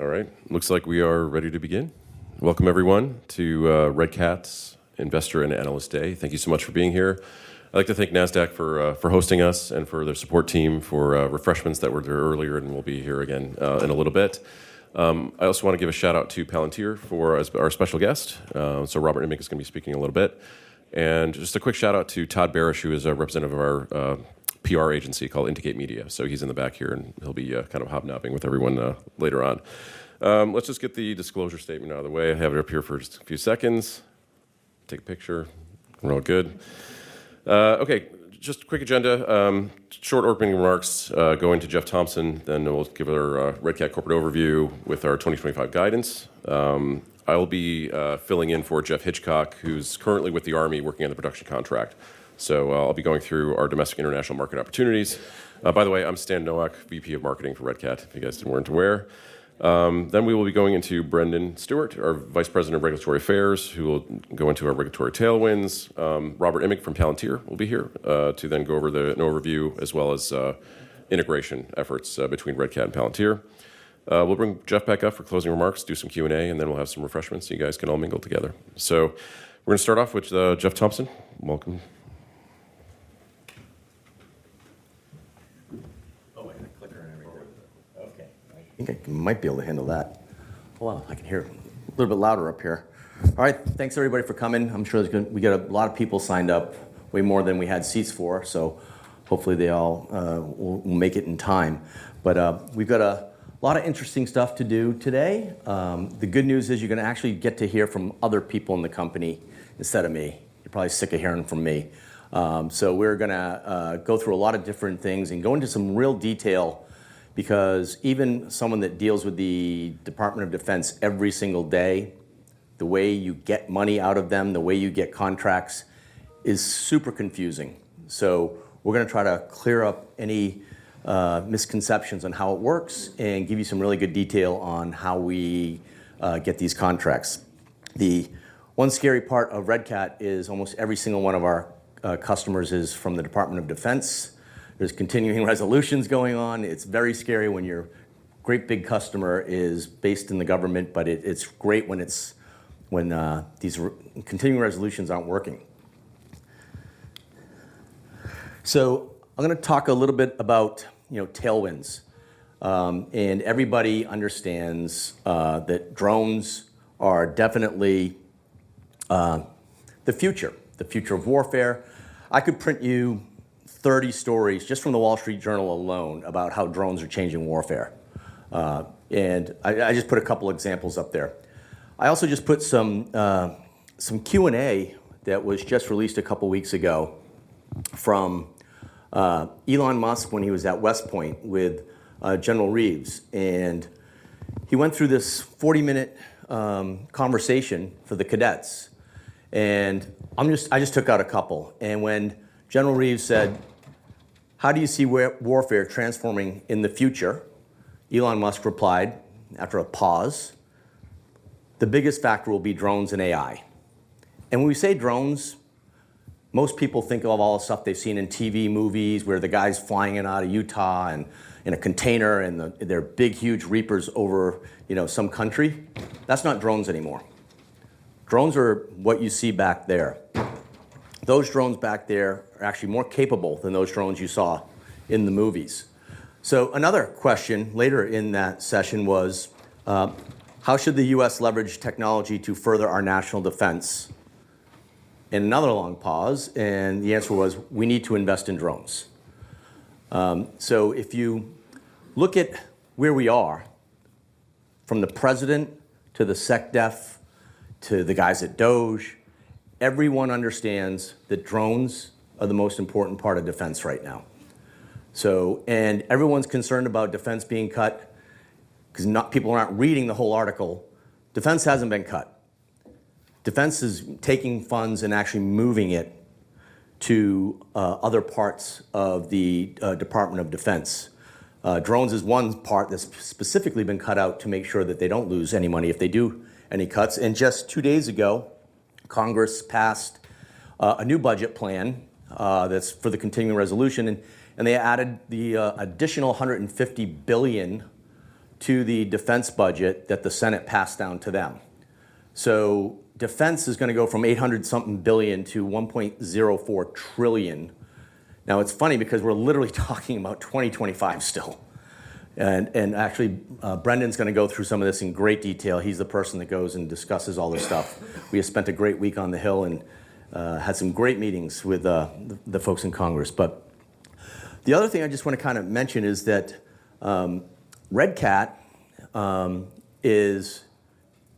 All right, looks like we are ready to begin. Welcome, everyone, to Red Cat's Investor and Analyst Day. Thank you so much for being here. I'd like to thank Nasdaq for hosting us and for their support team for refreshments that were there earlier, and we'll be here again in a little bit. I also want to give a shout-out to Palantir for our special guest. Rob Imig is going to be speaking a little bit. Just a quick shout-out to Todd Barrish, who is a representative of our PR agency called Indicate Media. He's in the back here, and he'll be kind of hobnobbing with everyone later on. Let's just get the disclosure statement out of the way. I have it up here for just a few seconds. Take a picture. We're all good. Okay, just quick agenda. Short opening remarks going to Jeff Thompson, then we'll give our Red Cat corporate overview with our 2025 guidance. I'll be filling in for Jeff Hitchcock, who's currently with the Army working on the production contract. I'll be going through our domestic and international market opportunities. By the way, I'm Stan Nowak, VP of Marketing for Red Cat, if you guys didn't already know. We will be going into Brendan Stewart, our Vice President of Regulatory Affairs, who will go into our regulatory tailwinds. Rob Imig from Palantir will be here to go over an overview as well as integration efforts between Red Cat and Palantir. We'll bring Jeff back up for closing remarks, do some Q&A, and then we'll have some refreshments so you guys can all mingle together. We're going to start off with Jeff Thompson. Welcome. Oh, I had a clicker and everything. Okay, I think I might be able to handle that. Well, I can hear a little bit louder up here. All right, thanks everybody for coming. I'm sure we got a lot of people signed up, way more than we had seats for, so hopefully they all will make it in time. But we've got a lot of interesting stuff to do today. The good news is you're going to actually get to hear from other people in the company instead of me. You're probably sick of hearing from me. So we're going to go through a lot of different things and go into some real detail because even someone that deals with the Department of Defense every single day, the way you get money out of them, the way you get contracts is super confusing. We're going to try to clear up any misconceptions on how it works and give you some really good detail on how we get these contracts. The one scary part of Red Cat is almost every single one of our customers is from the Department of Defense. There's continuing resolutions going on. It's very scary when your great big customer is based in the government, but it's great when these continuing resolutions aren't working. I'm going to talk a little bit about tailwinds. Everybody understands that drones are definitely the future, the future of warfare. I could print you 30 stories just from the Wall Street Journal alone about how drones are changing warfare. I just put a couple of examples up there. I also just put some Q&A that was just released a couple of weeks ago from Elon Musk when he was at West Point with General Reeves. And he went through this 40-minute conversation for the cadets. And I just took out a couple. And when General Reeves said, "How do you see warfare transforming in the future?" Elon Musk replied after a pause, "The biggest factor will be drones and AI." And when we say drones, most people think of all the stuff they've seen in TV, movies where the guy's flying in out of Utah and in a container and they're big, huge reapers over some country. That's not drones anymore. Drones are what you see back there. Those drones back there are actually more capable than those drones you saw in the movies. So another question later in that session was, "How should the U.S. Leverage technology to further our national defense?" And another long pause. And the answer was, "We need to invest in drones." So if you look at where we are from the president to the SecDef to the guys at DOGE, everyone understands that drones are the most important part of defense right now. And everyone's concerned about defense being cut because people aren't reading the whole article. Defense hasn't been cut. Defense is taking funds and actually moving it to other parts of the Department of Defense. Drones is one part that's specifically been cut out to make sure that they don't lose any money if they do any cuts. And just two days ago, Congress passed a new budget plan that's for the continuing resolution. And they added the additional $150 billion to the defense budget that the Senate passed down to them. Defense is going to go from $800-something billion to $1.04 trillion. Now, it's funny because we're literally talking about 2025 still. Actually, Brendan's going to go through some of this in great detail. He's the person that goes and discusses all this stuff. We have spent a great week on the Hill and had some great meetings with the folks in Congress. But the other thing I just want to kind of mention is that Red Cat is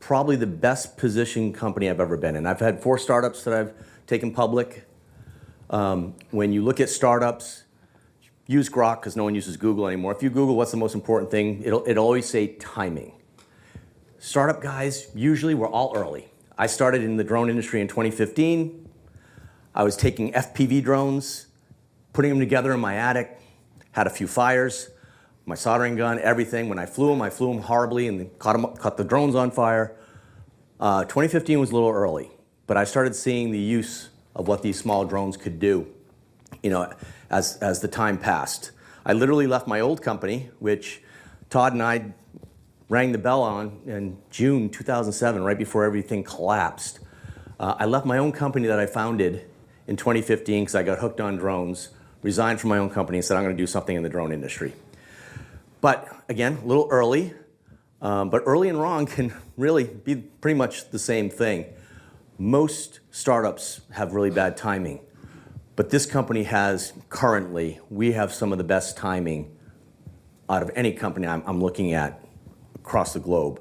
probably the best-positioned company I've ever been in. I've had four startups that I've taken public. When you look at startups, use Grok because no one uses Google anymore. If you Google what's the most important thing, it'll always say timing. Startup guys, usually we're all early. I started in the drone industry in 2015. I was taking FPV drones, putting them together in my attic, had a few fires, my soldering gun, everything. When I flew them, I flew them horribly and set the drones on fire. 2015 was a little early, but I started seeing the use of what these small drones could do as the time passed. I literally left my old company, which Todd and I rang the bell on in June 2007, right before everything collapsed. I left my own company that I founded in 2015 because I got hooked on drones, resigned from my own company, and said, "I'm going to do something in the drone industry." But again, a little early, but early and wrong can really be pretty much the same thing. Most startups have really bad timing, but this company has currently, we have some of the best timing out of any company I'm looking at across the globe.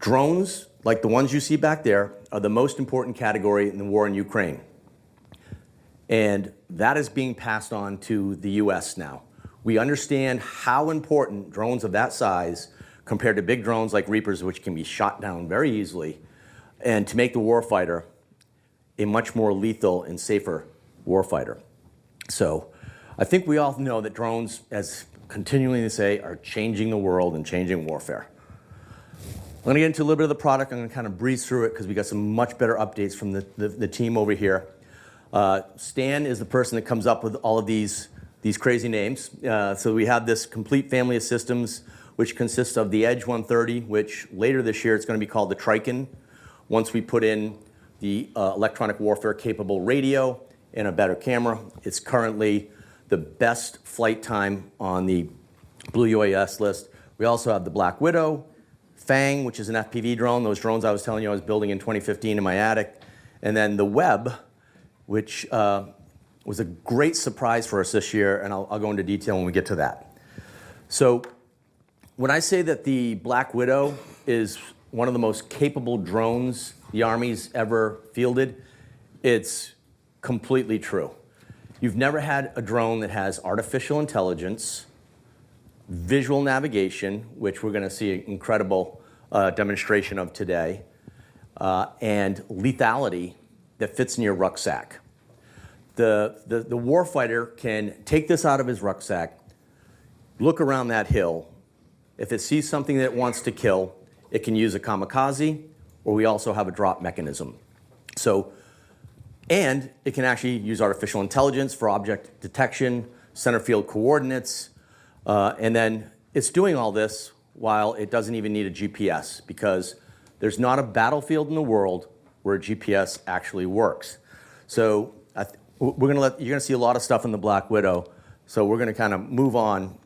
Drones, like the ones you see back there, are the most important category in the war in Ukraine. And that is being passed on to the U.S. now. We understand how important drones of that size compared to big drones like Reapers, which can be shot down very easily, and to make the warfighter a much more lethal and safer warfighter. So I think we all know that drones, as continually they say, are changing the world and changing warfare. I'm going to get into a little bit of the product. I'm going to kind of breeze through it because we got some much better updates from the team over here. Stan is the person that comes up with all of these crazy names. So we have this complete family of systems, which consists of the Edge 130, which later this year it's going to be called the Trikon. Once we put in the electronic warfare capable radio and a better camera, it's currently the best flight time on the Blue UAS list. We also have the Black Widow, Fang, which is an FPV drone, those drones I was telling you I was building in 2015 in my attic. And then the Webb, which was a great surprise for us this year, and I'll go into detail when we get to that. So when I say that the Black Widow is one of the most capable drones the Army's ever fielded, it's completely true. You've never had a drone that has artificial intelligence, visual navigation, which we're going to see an incredible demonstration of today, and lethality that fits in your rucksack. The warfighter can take this out of his rucksack, look around that hill. If it sees something that it wants to kill, it can use a kamikaze, or we also have a drop mechanism. And it can actually use artificial intelligence for object detection, centerfield coordinates. And then it's doing all this while it doesn't even need a GPS because there's not a battlefield in the world where GPS actually works. So you're going to see a lot of stuff in the Black Widow. So we're going to kind of move on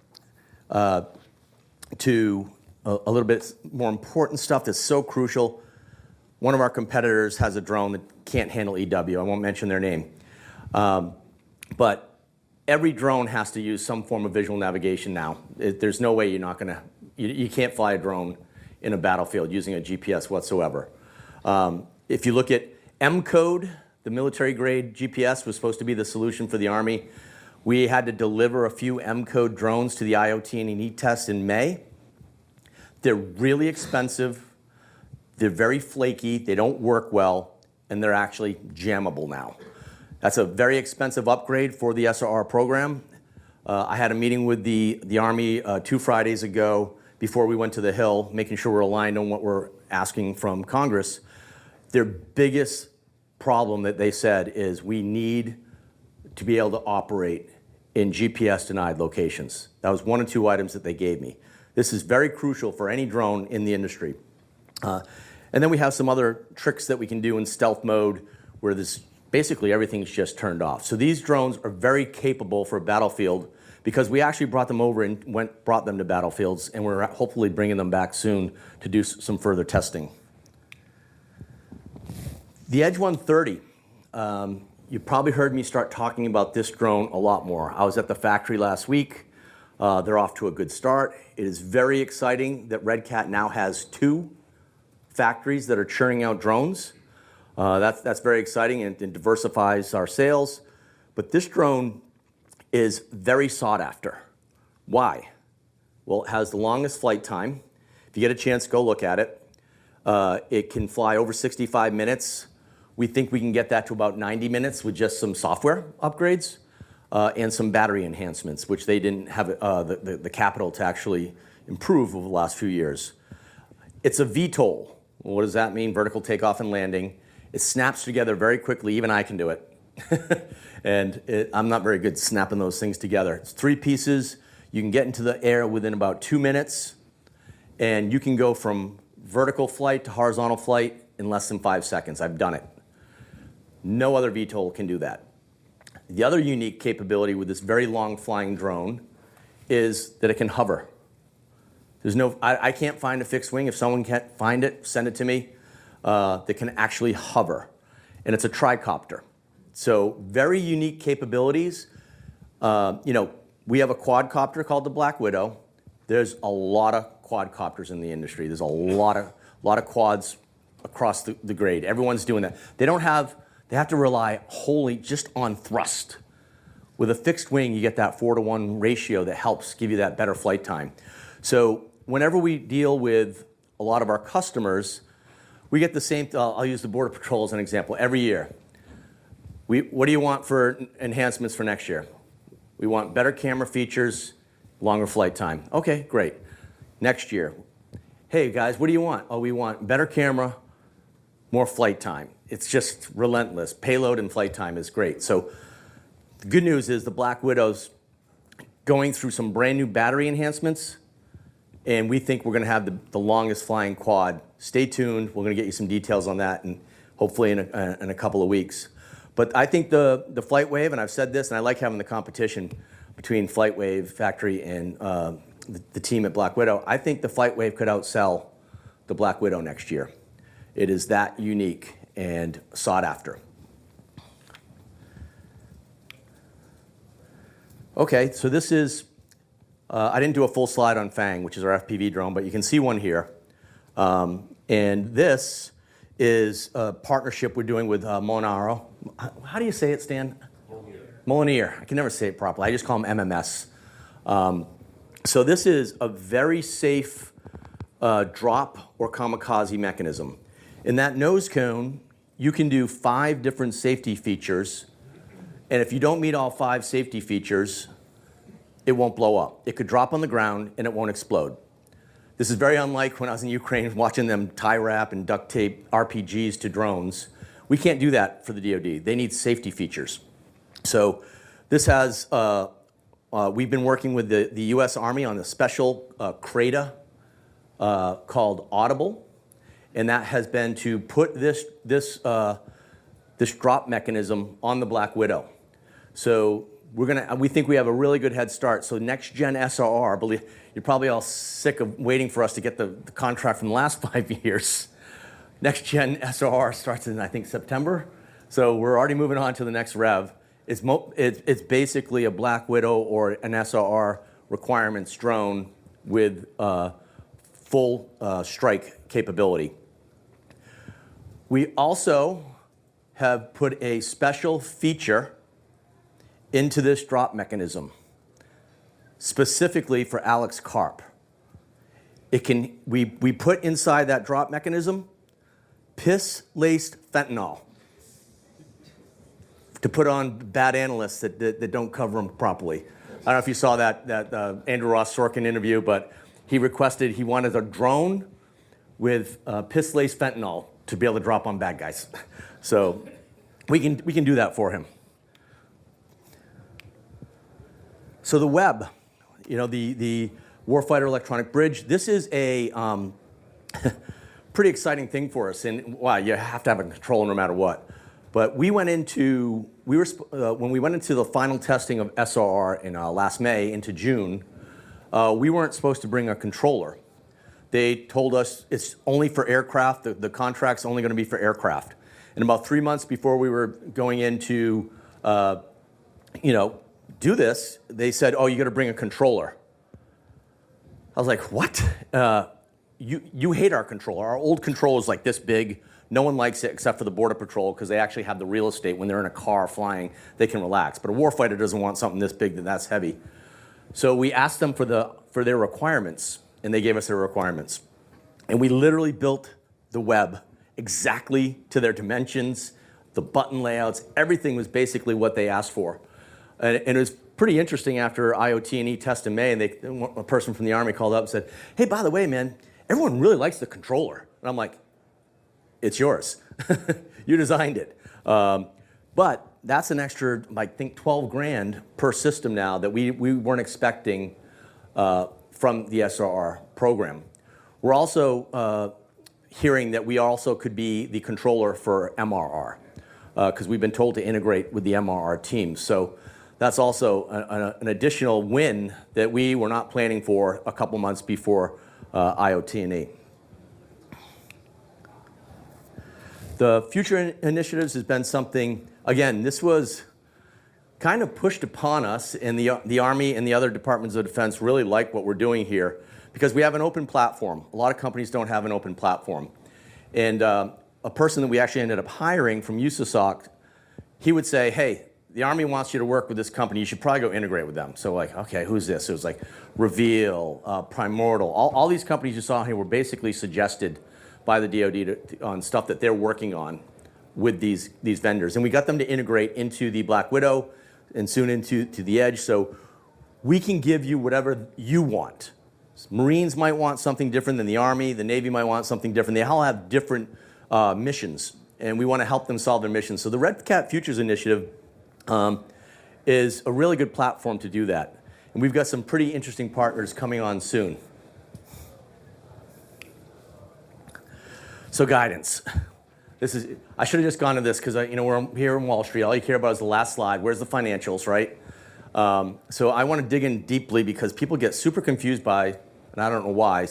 to a little bit more important stuff that's so crucial. One of our competitors has a drone that can't handle EW. I won't mention their name. But every drone has to use some form of visual navigation now. There's no way you're not going to; you can't fly a drone in a battlefield using a GPS whatsoever. If you look at M-Code, the military-grade GPS was supposed to be the solution for the Army. We had to deliver a few M-Code drones to the IOT&E test in May. They're really expensive. They're very flaky. They don't work well. And they're actually jammable now. That's a very expensive upgrade for the SRR program. I had a meeting with the Army two Fridays ago before we went to the Hill, making sure we're aligned on what we're asking from Congress. Their biggest problem that they said is we need to be able to operate in GPS-denied locations. That was one of two items that they gave me. This is very crucial for any drone in the industry. And then we have some other tricks that we can do in stealth mode where basically everything's just turned off. So these drones are very capable for a battlefield because we actually brought them over and brought them to battlefields, and we're hopefully bringing them back soon to do some further testing. The Edge 130, you've probably heard me start talking about this drone a lot more. I was at the factory last week. They're off to a good start. It is very exciting that Red Cat now has two factories that are churning out drones. That's very exciting and diversifies our sales. But this drone is very sought after. Why? Well, it has the longest flight time. If you get a chance, go look at it. It can fly over 65 minutes. We think we can get that to about 90 minutes with just some software upgrades and some battery enhancements, which they didn't have the capital to actually improve over the last few years. It's a VTOL. What does that mean? Vertical Takeoff and Landing. It snaps together very quickly. Even I can do it, and I'm not very good at snapping those things together. It's three pieces. You can get into the air within about two minutes, and you can go from vertical flight to horizontal flight in less than five seconds. I've done it. No other VTOL can do that. The other unique capability with this very long flying drone is that it can hover. I can't find a fixed wing. If someone can't find it, send it to me. They can actually hover, and it's a tricopter. So very unique capabilities. We have a quadcopter called the Black Widow. There's a lot of quadcopters in the industry. There's a lot of quads across the board. Everyone's doing that. They have to rely wholly just on thrust. With a fixed wing, you get that four-to-one ratio that helps give you that better flight time. So whenever we deal with a lot of our customers, we get the same. I'll use the Border Patrols as an example, every year. What do you want for enhancements for next year? We want better camera features, longer flight time. Okay, great. Next year. Hey, guys, what do you want? Oh, we want better camera, more flight time. It's just relentless. Payload and flight time is great. So the good news is the Black Widow's going through some brand new battery enhancements. And we think we're going to have the longest flying quad. Stay tuned. We're going to get you some details on that, hopefully in a couple of weeks, but I think the FlightWave, and I've said this, and I like having the competition between FlightWave factory and the team at Black Widow. I think the FlightWave could outsell the Black Widow next year. It is that unique and sought after. Okay, so this is. I didn't do a full slide on Fang, which is our FPV drone, but you can see one here, and this is a partnership we're doing with Mjolnir. How do you say it, Stan? Mjolnir. Mjolnir. I can never say it properly. I just call them MMS. So this is a very safe drop or kamikaze mechanism. In that nose cone, you can do five different safety features. And if you don't meet all five safety features, it won't blow up. It could drop on the ground and it won't explode. This is very unlike when I was in Ukraine watching them tie wrap and duct tape RPGs to drones. We can't do that for the DOD. They need safety features. So we've been working with the U.S. Army on a special contract called SRR. And that has been to put this drop mechanism on the Black Widow. So we think we have a really good head start. So next-gen SRR, you're probably all sick of waiting for us to get the contract from the last five years. Next-gen SRR starts in, I think, September. So we're already moving on to the next rev. It's basically a Black Widow or an SRR requirements drone with full strike capability. We also have put a special feature into this drop mechanism, specifically for Alex Karp. We put inside that drop mechanism piss-laced fentanyl to put on bad analysts that don't cover them properly. I don't know if you saw that Andrew Ross Sorkin interview, but he requested he wanted a drone with piss-laced fentanyl to be able to drop on bad guys. So we can do that for him. So the Webb, the Warfighter Electronic Bridge, this is a pretty exciting thing for us. And wow, you have to have a controller no matter what. But when we went into the final testing of SRR in last May into June, we weren't supposed to bring a controller. They told us it's only for aircraft. The contract's only going to be for aircraft. And about three months before we were going in to do this, they said, "Oh, you got to bring a controller." I was like, "What? You hate our controller. Our old controller is like this big. No one likes it except for the Border Patrol because they actually have the real estate. When they're in a car flying, they can relax. But a warfighter doesn't want something this big that's heavy." So we asked them for their requirements, and they gave us their requirements. And we literally built the Webb exactly to their dimensions, the button layouts. Everything was basically what they asked for. And it was pretty interesting after IOT&E test in May, a person from the Army called up and said, "Hey, by the way, man, everyone really likes the controller." And I'm like, "It's yours. You designed it." But that's an extra, I think, $12,000 per system now that we weren't expecting from the SRR program. We're also hearing that we also could be the controller for MRR because we've been told to integrate with the MRR team. So that's also an additional win that we were not planning for a couple of months before IoT and ETest. The future initiatives has been something, again, this was kind of pushed upon us, and the Army and the other departments of defense really like what we're doing here because we have an open platform. A lot of companies don't have an open platform. And a person that we actually ended up hiring from USSOCOM, he would say, "Hey, the Army wants you to work with this company. You should probably go integrate with them." So like, "Okay, who's this?" It was like Reveal, Primordial. All these companies you saw here were basically suggested by the DOD on stuff that they're working on with these vendors. And we got them to integrate into the Black Widow and soon into the Edge. So we can give you whatever you want. Marines might want something different than the Army. The Navy might want something different. They all have different missions. And we want to help them solve their missions. So the Red Cat Futures initiative is a really good platform to do that. And we've got some pretty interesting partners coming on soon. So guidance. I should have just gone to this because we're here in Wall Street. All you care about is the last slide. Where's the financials, right? So I want to dig in deeply because people get super confused by, and I don't know why.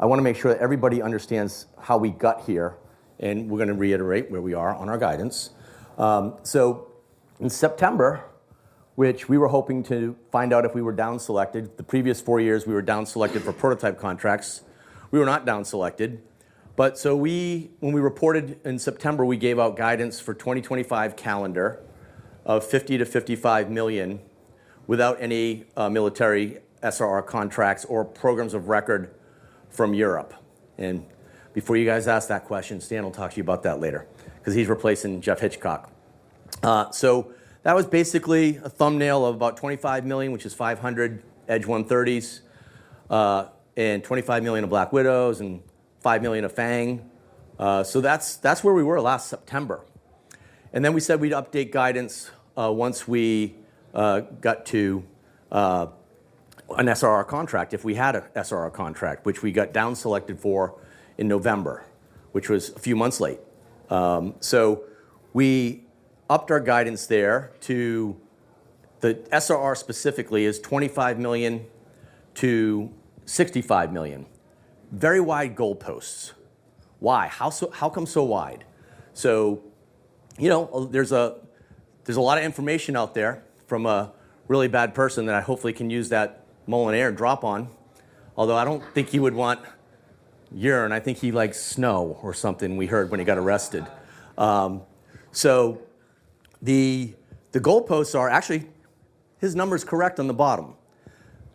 I want to make sure that everybody understands how we got here. We're going to reiterate where we are on our guidance. In September, which we were hoping to find out if we were downselected, the previous four years we were downselected for prototype contracts. We were not downselected. When we reported in September, we gave out guidance for 2025 calendar of $50-$55 million without any military SRR contracts or programs of record from Europe. Before you guys ask that question, Stan will talk to you about that later because he's replacing Jeff Hitchcock. That was basically a thumbnail of about $25 million, which is 500 Edge 130s and $25 million of Black Widows and $5 million of Fang. That's where we were last September. And then we said we'd update guidance once we got to an SRR contract if we had an SRR contract, which we got downselected for in November, which was a few months late. So we upped our guidance there to the SRR specifically is $25 million-$65 million. Very wide goalposts. Why? How come so wide? So there's a lot of information out there from a really bad person that I hopefully can use that Mjolnir drop on. Although I don't think you would want urine. I think he likes snow or something we heard when he got arrested. So the goalposts are actually his number is correct on the bottom.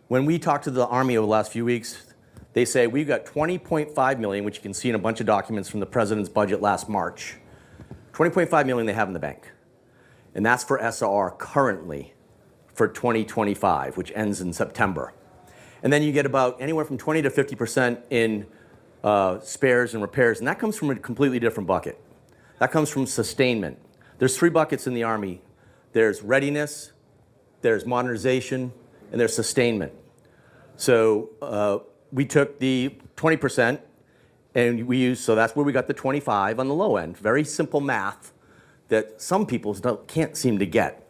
When we talked to the Army over the last few weeks, they say we've got $20.5 million, which you can see in a bunch of documents from the president's budget last March. $20.5 million they have in the bank, and that's for SRR currently for 2025, which ends in September. And then you get about anywhere from 20%-50% in spares and repairs. And that comes from a completely different bucket. That comes from sustainment. There's three buckets in the Army. There's readiness, there's modernization, and there's sustainment. So we took the 20% and we used, so that's where we got the 25 on the low end. Very simple math that some people can't seem to get.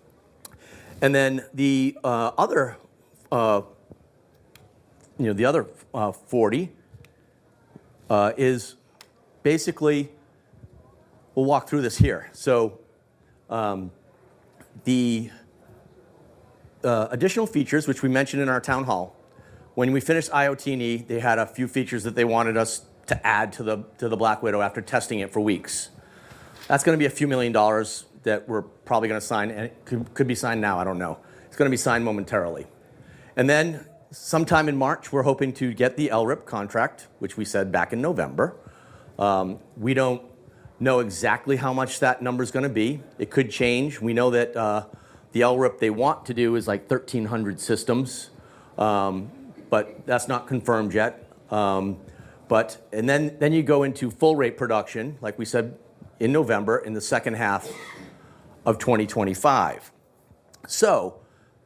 And then the other 40 is basically, we'll walk through this here. So the additional features, which we mentioned in our town hall, when we finished IoT and ETE, they had a few features that they wanted us to add to the Black Widow after testing it for weeks. That's going to be a few million dollars that we're probably going to sign, and it could be signed now, I don't know. It's going to be signed momentarily. Then sometime in March, we're hoping to get the LRIP contract, which we said back in November. We don't know exactly how much that number is going to be. It could change. We know that the LRIP they want to do is like 1,300 systems, but that's not confirmed yet. Then you go into full-rate production, like we said in November, in the second half of 2025. So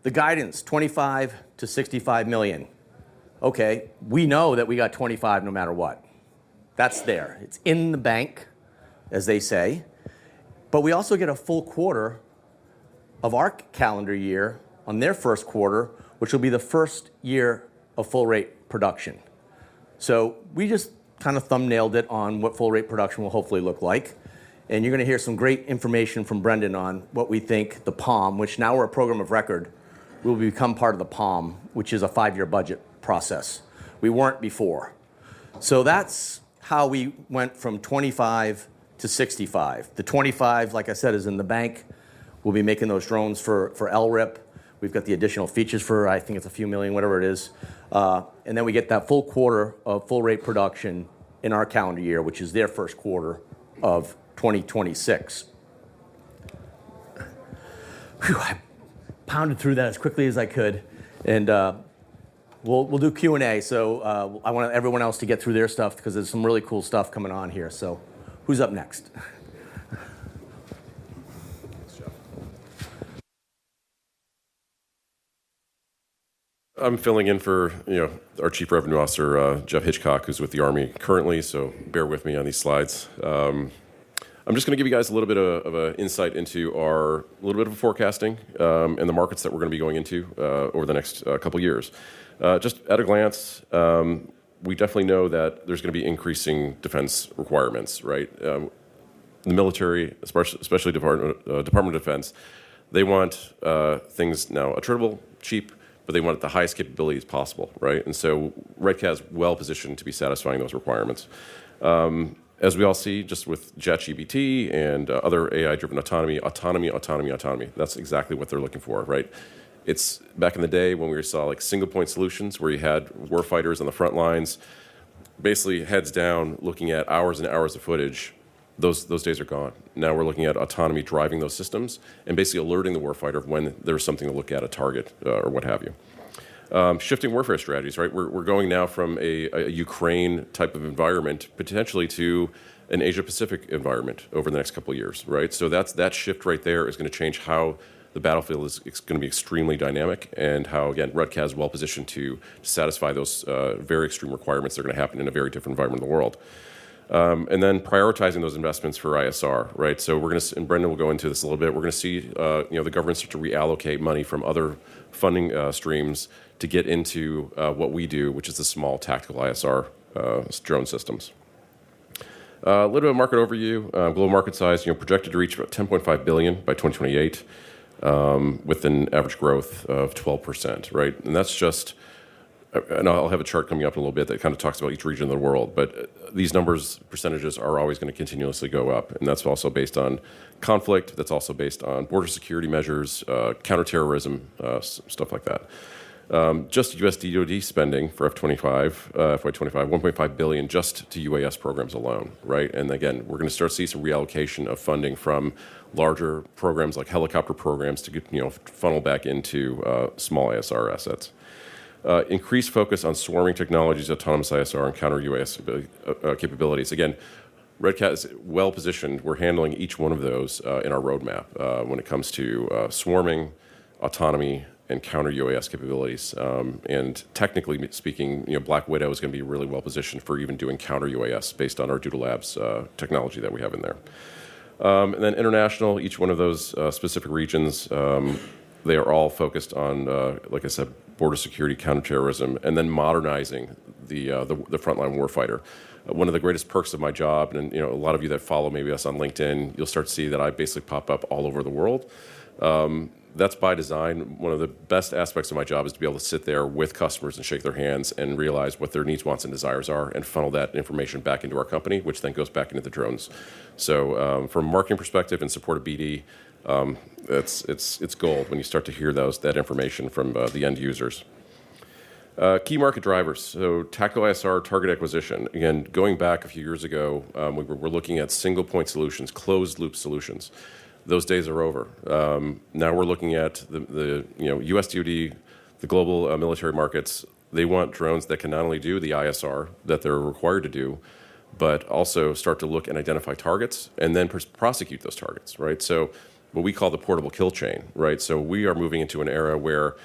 the guidance, $25 million-$65 million. Okay, we know that we got $25 million no matter what. That's there. It's in the bank, as they say. But we also get a full quarter of our calendar year on their first quarter, which will be the first year of full-rate production. So we just kind of thumbnailed it on what full-rate production will hopefully look like. And you're going to hear some great information from Brendan on what we think the POM, which now we're a program of record, will become part of the POM, which is a five-year budget process. We weren't before. So that's how we went from 25 to 65. The 25, like I said, is in the bank. We'll be making those drones for LRIP. We've got the additional features for, I think it's a few million, whatever it is. And then we get that full quarter of full-rate production in our calendar year, which is their first quarter of 2026. I pounded through that as quickly as I could. And we'll do Q&A. So I want everyone else to get through their stuff because there's some really cool stuff coming on here. So who's up next? Thanks, Jeff. I'm filling in for our Chief Revenue Officer, Jeff Hitchcock, who's with the Army currently. So bear with me on these slides. I'm just going to give you guys a little bit of an insight into our little bit of forecasting and the markets that we're going to be going into over the next couple of years. Just at a glance, we definitely know that there's going to be increasing defense requirements, right? The military, especially Department of Defense, they want things now attainable, cheap, but they want the highest capabilities possible, right? And so Red Cat is well positioned to be satisfying those requirements. As we all see, just with ChatGPT and other AI-driven autonomy, autonomy, autonomy, autonomy, that's exactly what they're looking for, right? It's back in the day when we saw single-point solutions where you had warfighters on the front lines, basically heads down looking at hours and hours of footage. Those days are gone. Now we're looking at autonomy driving those systems and basically alerting the warfighter when there's something to look at, a target or what have you. Shifting warfare strategies, right? We're going now from a Ukraine type of environment potentially to an Asia-Pacific environment over the next couple of years, right? So that shift right there is going to change how the battlefield is going to be extremely dynamic and how, again, Red Cat is well positioned to satisfy those very extreme requirements that are going to happen in a very different environment in the world. And then prioritizing those investments for ISR, right? We're going to, and Brendan will go into this a little bit, see the government start to reallocate money from other funding streams to get into what we do, which is the small tactical ISR drone systems. A little bit of market overview, global market size projected to reach about $10.5 billion by 2028 with an average growth of 12%, right? That's just, and I'll have a chart coming up in a little bit that kind of talks about each region of the world, but these numbers, percentages are always going to continuously go up. That's also based on conflict. That's also based on border security measures, counterterrorism, stuff like that. Just DOD spending for FY25, $1.5 billion just to UAS programs alone, right? And again, we're going to start to see some reallocation of funding from larger programs like helicopter programs to funnel back into small ISR assets. Increased focus on swarming technologies, autonomous ISR, and counter-UAS capabilities. Again, Red Cat is well positioned. We're handling each one of those in our roadmap when it comes to swarming, autonomy, and counter-UAS capabilities. And technically speaking, Black Widow is going to be really well positioned for even doing counter-UAS based on our Doodle Labs technology that we have in there. And then international, each one of those specific regions, they are all focused on, like I said, border security, counterterrorism, and then modernizing the frontline warfighter. One of the greatest perks of my job, and a lot of you that follow maybe us on LinkedIn, you'll start to see that I basically pop up all over the world. That's by design. One of the best aspects of my job is to be able to sit there with customers and shake their hands and realize what their needs, wants, and desires are and funnel that information back into our company, which then goes back into the drones. So from a marketing perspective and support of BD, it's gold when you start to hear that information from the end users. Key market drivers. So tactical ISR, target acquisition. Again, going back a few years ago, we were looking at single-point solutions, closed-loop solutions. Those days are over. Now we're looking at the U.S. DOD, the global military markets. They want drones that can not only do the ISR that they're required to do, but also start to look and identify targets and then prosecute those targets, right? So what we call the portable kill chain, right? So we are moving into an era where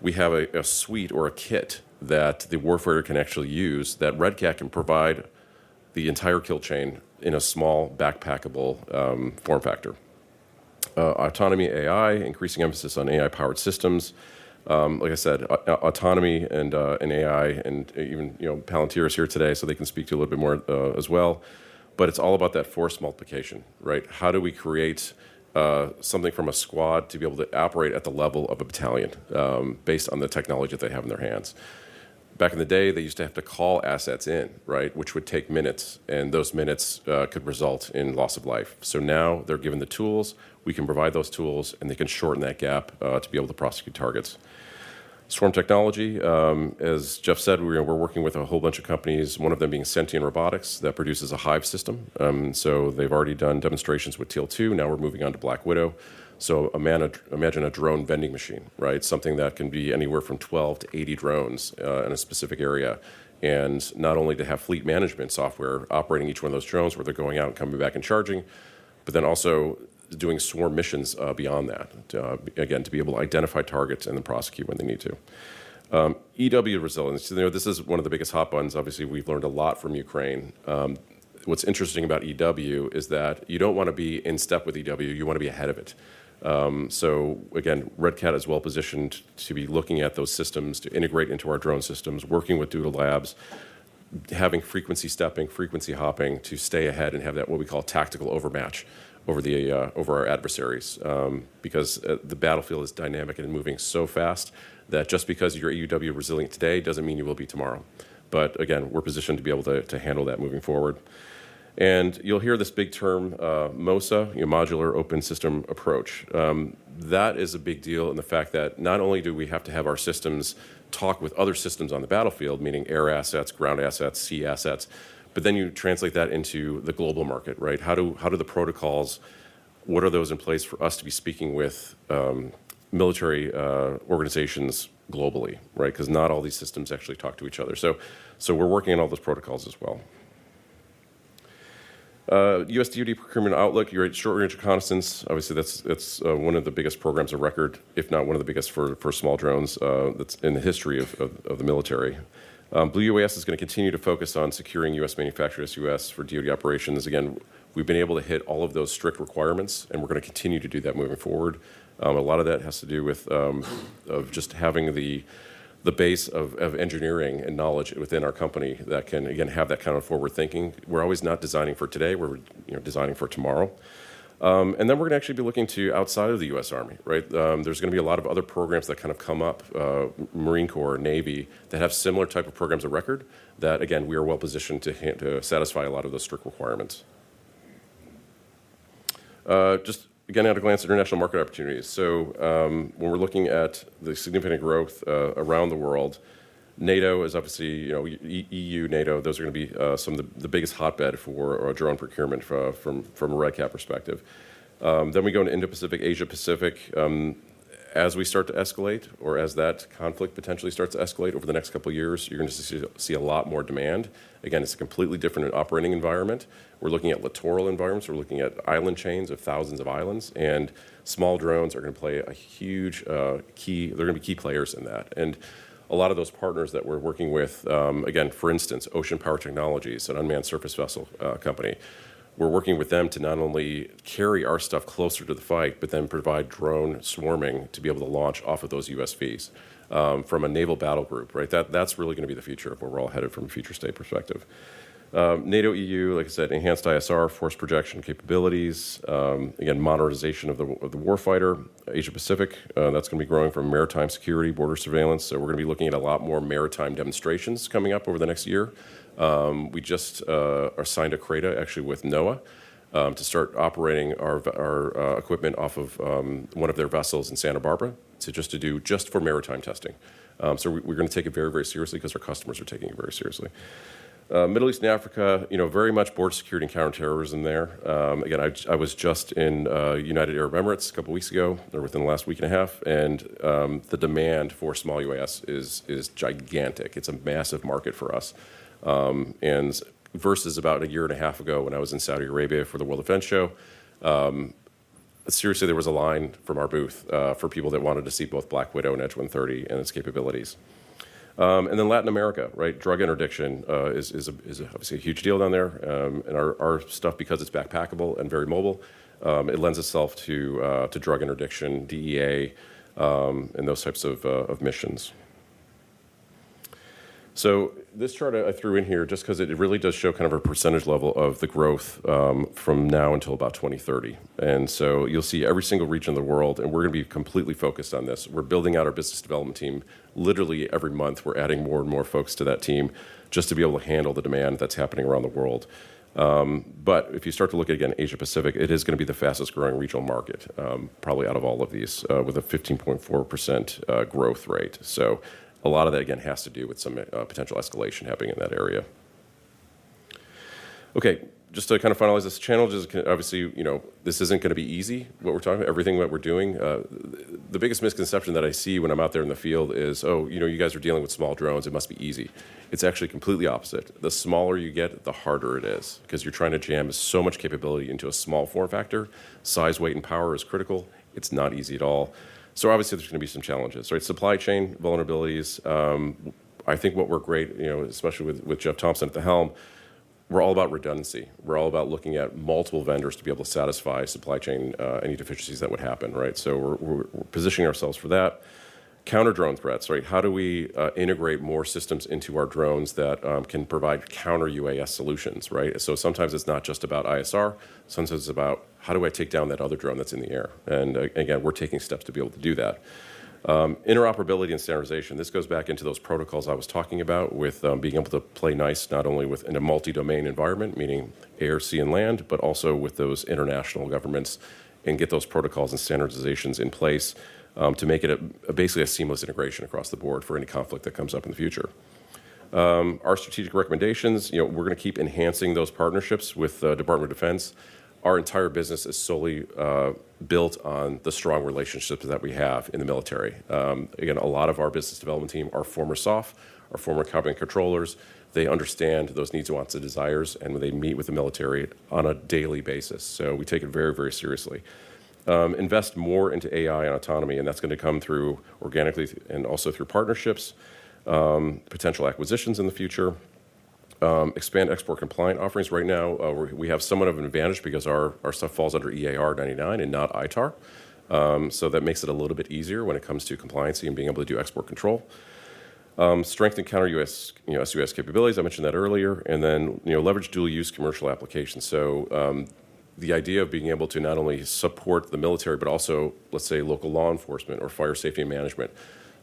we have a suite or a kit that the warfighter can actually use that Red Cat can provide the entire kill chain in a small backpackable form factor. Autonomy, AI, increasing emphasis on AI-powered systems. Like I said, autonomy and AI and even Palantir is here today, so they can speak to you a little bit more as well. But it's all about that force multiplication, right? How do we create something from a squad to be able to operate at the level of a battalion based on the technology that they have in their hands? Back in the day, they used to have to call assets in, right, which would take minutes, and those minutes could result in loss of life, so now they're given the tools. We can provide those tools, and they can shorten that gap to be able to prosecute targets. Swarm technology, as Jeff said, we're working with a whole bunch of companies, one of them being Sentien Robotics that produces a Hive system. So they've already done demonstrations with Teal 2. Now we're moving on to Black Widow. So imagine a drone vending machine, right? Something that can be anywhere from 12 to 80 drones in a specific area. And not only to have fleet management software operating each one of those drones where they're going out and coming back and charging, but then also doing swarm missions beyond that, again, to be able to identify targets and then prosecute when they need to. EW resilience. This is one of the biggest hot buttons. Obviously, we've learned a lot from Ukraine. What's interesting about EW is that you don't want to be in step with EW. You want to be ahead of it. So again, Red Cat is well positioned to be looking at those systems to integrate into our drone systems, working with Doodle Labs, having frequency stepping, frequency hopping to stay ahead and have that what we call tactical overmatch over our adversaries because the battlefield is dynamic and moving so fast that just because you're EW resilient today doesn't mean you will be tomorrow. But again, we're positioned to be able to handle that moving forward. And you'll hear this big term, MOSA, Modular Open System Approach. That is a big deal in the fact that not only do we have to have our systems talk with other systems on the battlefield, meaning air assets, ground assets, sea assets, but then you translate that into the global market, right? How do the protocols, what are those in place for us to be speaking with military organizations globally, right? Because not all these systems actually talk to each other. So we're working on all those protocols as well. U.S. DOD procurement outlook, you're at Short Range Reconnaissance. Obviously, that's one of the biggest programs of record, if not one of the biggest for small drones in the history of the military. Blue UAS is going to continue to focus on securing U.S. manufacturers' UAS for DOD operations. Again, we've been able to hit all of those strict requirements, and we're going to continue to do that moving forward. A lot of that has to do with just having the base of engineering and knowledge within our company that can, again, have that kind of forward thinking. We're always not designing for today. We're designing for tomorrow. And then we're going to actually be looking to outside of the U.S. Army, right? There's going to be a lot of other programs that kind of come up, U.S. Marine Corps, U.S. Navy, that have similar type of programs of record that, again, we are well positioned to satisfy a lot of those strict requirements. Just again, at a glance, international market opportunities. So when we're looking at the significant growth around the world, NATO is obviously E.U., NATO, those are going to be some of the biggest hotbed for drone procurement from a Red Cat perspective. Then we go into Indo-Pacific, Asia-Pacific. As we start to escalate or as that conflict potentially starts to escalate over the next couple of years, you're going to see a lot more demand. Again, it's a completely different operating environment. We're looking at littoral environments. We're looking at island chains of thousands of islands. And small drones are going to play a huge key. They're going to be key players in that. And a lot of those partners that we're working with, again, for instance, Ocean Power Technologies, an unmanned surface vessel company, we're working with them to not only carry our stuff closer to the fight, but then provide drone swarming to be able to launch off of those USVs from a naval battle group, right? That's really going to be the future of where we're all headed from a future state perspective. NATO, EU, like I said, enhanced ISR, force projection capabilities, again, modernization of the warfighter, Asia-Pacific. That's going to be growing from maritime security, border surveillance. So we're going to be looking at a lot more maritime demonstrations coming up over the next year. We just signed a CRADA, actually with NOAA, to start operating our equipment off of one of their vessels in Santa Barbara just to do just for maritime testing. So we're going to take it very, very seriously because our customers are taking it very seriously. Middle East and Africa, very much border security and counterterrorism there. Again, I was just in United Arab Emirates a couple of weeks ago or within the last week and a half, and the demand for small UAS is gigantic. It's a massive market for us. And versus about a year and a half ago when I was in Saudi Arabia for the World Defense Show, seriously, there was a line from our booth for people that wanted to see both Black Widow and Edge 130 and its capabilities. And then Latin America, right? Drug interdiction is obviously a huge deal down there. And our stuff, because it's backpackable and very mobile, it lends itself to drug interdiction, DEA, and those types of missions. So this chart I threw in here just because it really does show kind of a percentage level of the growth from now until about 2030. And so you'll see every single region of the world, and we're going to be completely focused on this. We're building out our business development team. Literally, every month, we're adding more and more folks to that team just to be able to handle the demand that's happening around the world. But if you start to look at, again, Asia-Pacific, it is going to be the fastest growing regional market, probably out of all of these, with a 15.4% growth rate. So a lot of that, again, has to do with some potential escalation happening in that area. Okay, just to kind of finalize this channel, obviously, this isn't going to be easy, what we're talking about, everything that we're doing. The biggest misconception that I see when I'm out there in the field is, "Oh, you guys are dealing with small drones. It must be easy." It's actually completely opposite. The smaller you get, the harder it is because you're trying to jam so much capability into a small form factor. Size, weight, and power are critical. It's not easy at all. So obviously, there's going to be some challenges, right? Supply chain vulnerabilities. I think what worked great, especially with Jeff Thompson at the helm. We're all about redundancy. We're all about looking at multiple vendors to be able to satisfy supply chain and any deficiencies that would happen, right? So we're positioning ourselves for that. Counter-drone threats, right? How do we integrate more systems into our drones that can provide counter-UAS solutions, right? So sometimes it's not just about ISR. Sometimes it's about how do I take down that other drone that's in the air? And again, we're taking steps to be able to do that. Interoperability and standardization. This goes back into those protocols I was talking about with being able to play nice not only in a multi-domain environment, meaning air, sea, and land, but also with those international governments and get those protocols and standardizations in place to make it basically a seamless integration across the board for any conflict that comes up in the future. Our strategic recommendations, we're going to keep enhancing those partnerships with the Department of Defense. Our entire business is solely built on the strong relationships that we have in the military. Again, a lot of our business development team are former SOF, are former combat controllers. They understand those needs, wants, and desires, and they meet with the military on a daily basis. So we take it very, very seriously. Invest more into AI and autonomy, and that's going to come through organically and also through partnerships, potential acquisitions in the future. Expand export compliant offerings. Right now, we have somewhat of an advantage because our stuff falls under EAR 99 and not ITAR. So that makes it a little bit easier when it comes to compliance and being able to do export control. Strengthen counter-UAS capabilities. I mentioned that earlier. And then leverage dual-use commercial applications. So the idea of being able to not only support the military, but also, let's say, local law enforcement or fire safety and management,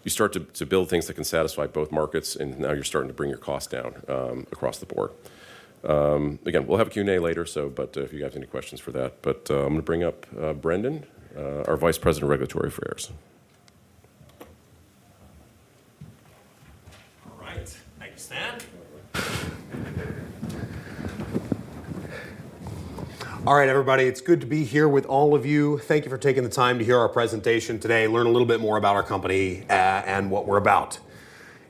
you start to build things that can satisfy both markets, and now you're starting to bring your cost down across the board. Again, we'll have a Q&A later, but if you guys have any questions for that. But I'm going to bring up Brendan, our Vice President of Regulatory Affairs. All right. Thank you, Stan. All right, everybody. It's good to be here with all of you. Thank you for taking the time to hear our presentation today, learn a little bit more about our company and what we're about.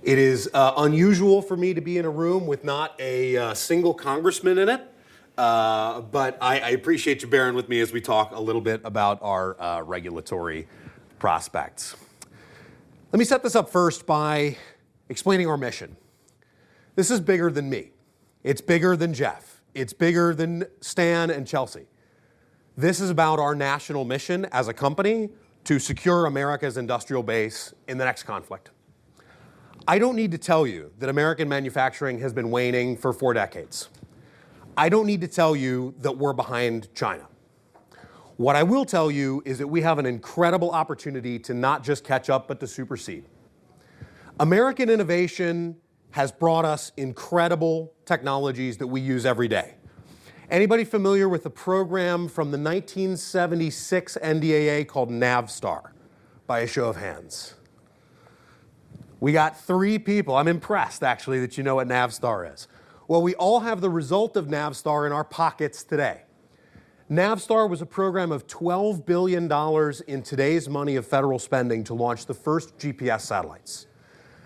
It is unusual for me to be in a room with not a single congressman in it, but I appreciate you bearing with me as we talk a little bit about our regulatory prospects. Let me set this up first by explaining our mission. This is bigger than me. It's bigger than Jeff. It's bigger than Stan and Chelsea. This is about our national mission as a company to secure America's industrial base in the next conflict. I don't need to tell you that American manufacturing has been waning for four decades. I don't need to tell you that we're behind China. What I will tell you is that we have an incredible opportunity to not just catch up, but to supersede. American innovation has brought us incredible technologies that we use every day. Anybody familiar with the program from the 1976 NDAA called NavStar by a show of hands? We got three people. I'm impressed, actually, that you know what NavStar is. Well, we all have the result of NavStar in our pockets today. NavStar was a program of $12 billion in today's money of federal spending to launch the first GPS satellites.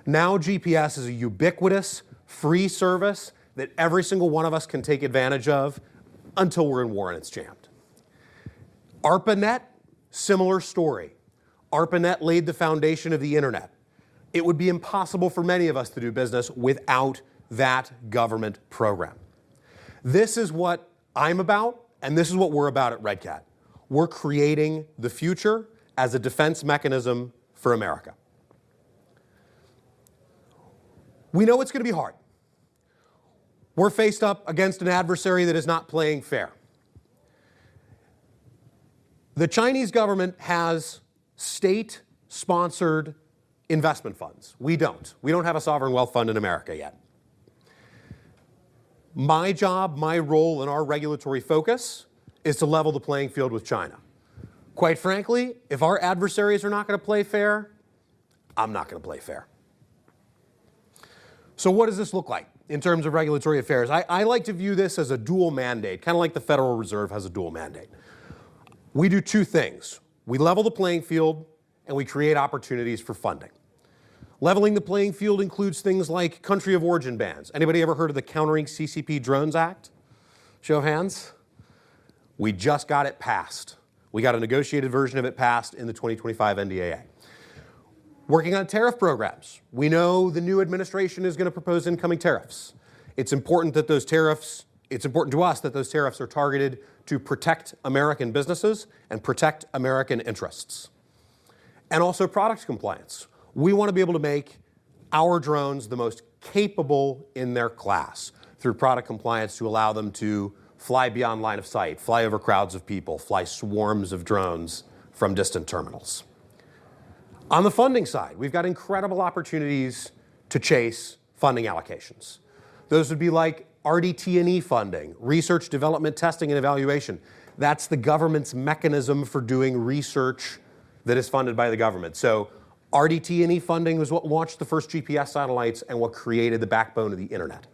Now GPS is a ubiquitous, free service that every single one of us can take advantage of until we're in war and it's jammed. ARPANET, similar story. ARPANET laid the foundation of the internet. It would be impossible for many of us to do business without that government program. This is what I'm about, and this is what we're about at Red Cat. We're creating the future as a defense mechanism for America. We know it's going to be hard. We're faced up against an adversary that is not playing fair. The Chinese government has state-sponsored investment funds. We don't. We don't have a sovereign wealth fund in America yet. My job, my role in our regulatory focus is to level the playing field with China. Quite frankly, if our adversaries are not going to play fair, I'm not going to play fair. So what does this look like in terms of regulatory affairs? I like to view this as a dual mandate, kind of like the Federal Reserve has a dual mandate. We do two things. We level the playing field, and we create opportunities for funding. Leveling the playing field includes things like country of origin bans. Anybody ever heard of the Countering CCP Drones Act? Show of hands. We just got it passed. We got a negotiated version of it passed in the 2025 NDAA. Working on tariff programs. We know the new administration is going to propose incoming tariffs. It's important that those tariffs. It's important to us that those tariffs are targeted to protect American businesses and protect American interests, and also product compliance. We want to be able to make our drones the most capable in their class through product compliance to allow them to fly beyond line of sight, fly over crowds of people, fly swarms of drones from distant terminals. On the funding side, we've got incredible opportunities to chase funding allocations. Those would be like RDT&E funding, research, development, testing, and evaluation. That's the government's mechanism for doing research that is funded by the government. RDT&E funding was what launched the first GPS satellites and what created the backbone of the internet.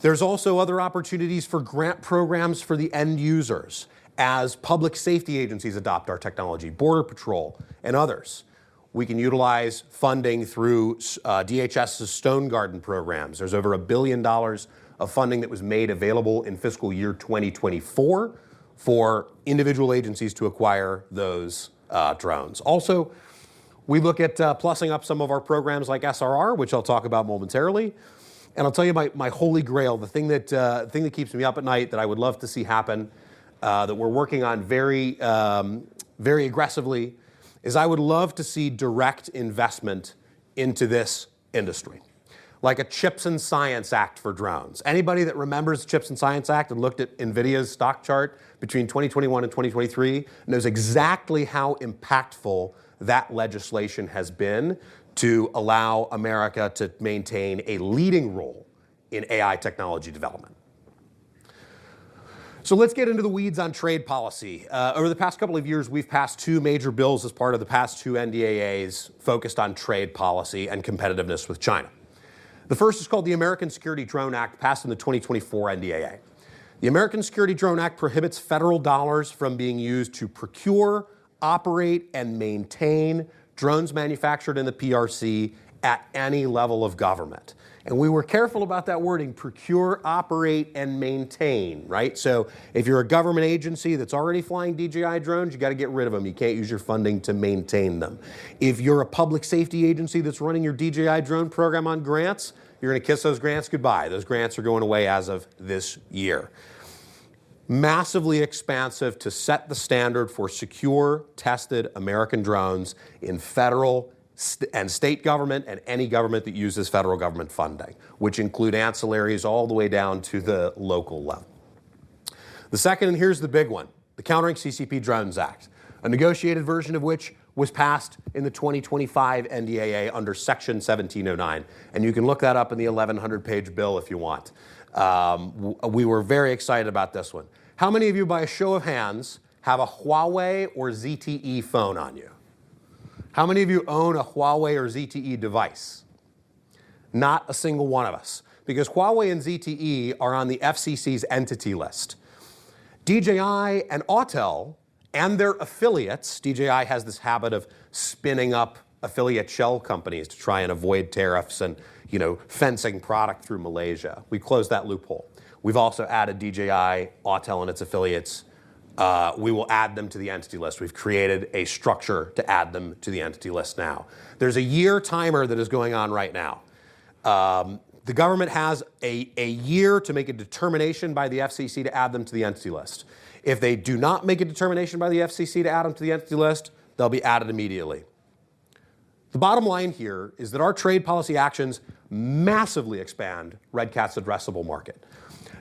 There's also other opportunities for grant programs for the end users as public safety agencies adopt our technology, Border Patrol, and others. We can utilize funding through DHS's Stone Garden programs. There's over $1 billion of funding that was made available in fiscal year 2024 for individual agencies to acquire those drones. Also, we look at plussing up some of our programs like SRR, which I'll talk about momentarily, and I'll tell you my holy grail, the thing that keeps me up at night that I would love to see happen, that we're working on very aggressively, is I would love to see direct investment into this industry, like a CHIPS and Science Act for drones. Anybody that remembers the CHIPS and Science Act and looked at NVIDIA's stock chart between 2021 and 2023 knows exactly how impactful that legislation has been to allow America to maintain a leading role in AI technology development. So let's get into the weeds on trade policy. Over the past couple of years, we've passed two major bills as part of the past two NDAAs focused on trade policy and competitiveness with China. The first is called the American Security Drone Act, passed in the 2024 NDAA. The American Security Drone Act prohibits federal dollars from being used to procure, operate, and maintain drones manufactured in the PRC at any level of government. And we were careful about that wording, procure, operate, and maintain, right? So if you're a government agency that's already flying DJI drones, you got to get rid of them. You can't use your funding to maintain them. If you're a public safety agency that's running your DJI drone program on grants, you're going to kiss those grants goodbye. Those grants are going away as of this year. Massively expansive to set the standard for secure, tested American drones in federal and state government and any government that uses federal government funding, which include ancillaries all the way down to the local level. The second, and here's the big one, the Countering CCP Drones Act, a negotiated version of which was passed in the 2025 NDAA under Section 1709, and you can look that up in the 1,100-page bill if you want. We were very excited about this one. How many of you, by a show of hands, have a Huawei or ZTE phone on you? How many of you own a Huawei or ZTE device? Not a single one of us, because Huawei and ZTE are on the FCC's entity list. DJI and Autel and their affiliates. DJI has this habit of spinning up affiliate shell companies to try and avoid tariffs and fencing product through Malaysia. We closed that loophole. We've also added DJI, Autel, and its affiliates. We will add them to the entity list. We've created a structure to add them to the entity list now. There's a year timer that is going on right now. The government has a year to make a determination by the FCC to add them to the entity list. If they do not make a determination by the FCC to add them to the entity list, they'll be added immediately. The bottom line here is that our trade policy actions massively expand Red Cat's addressable market.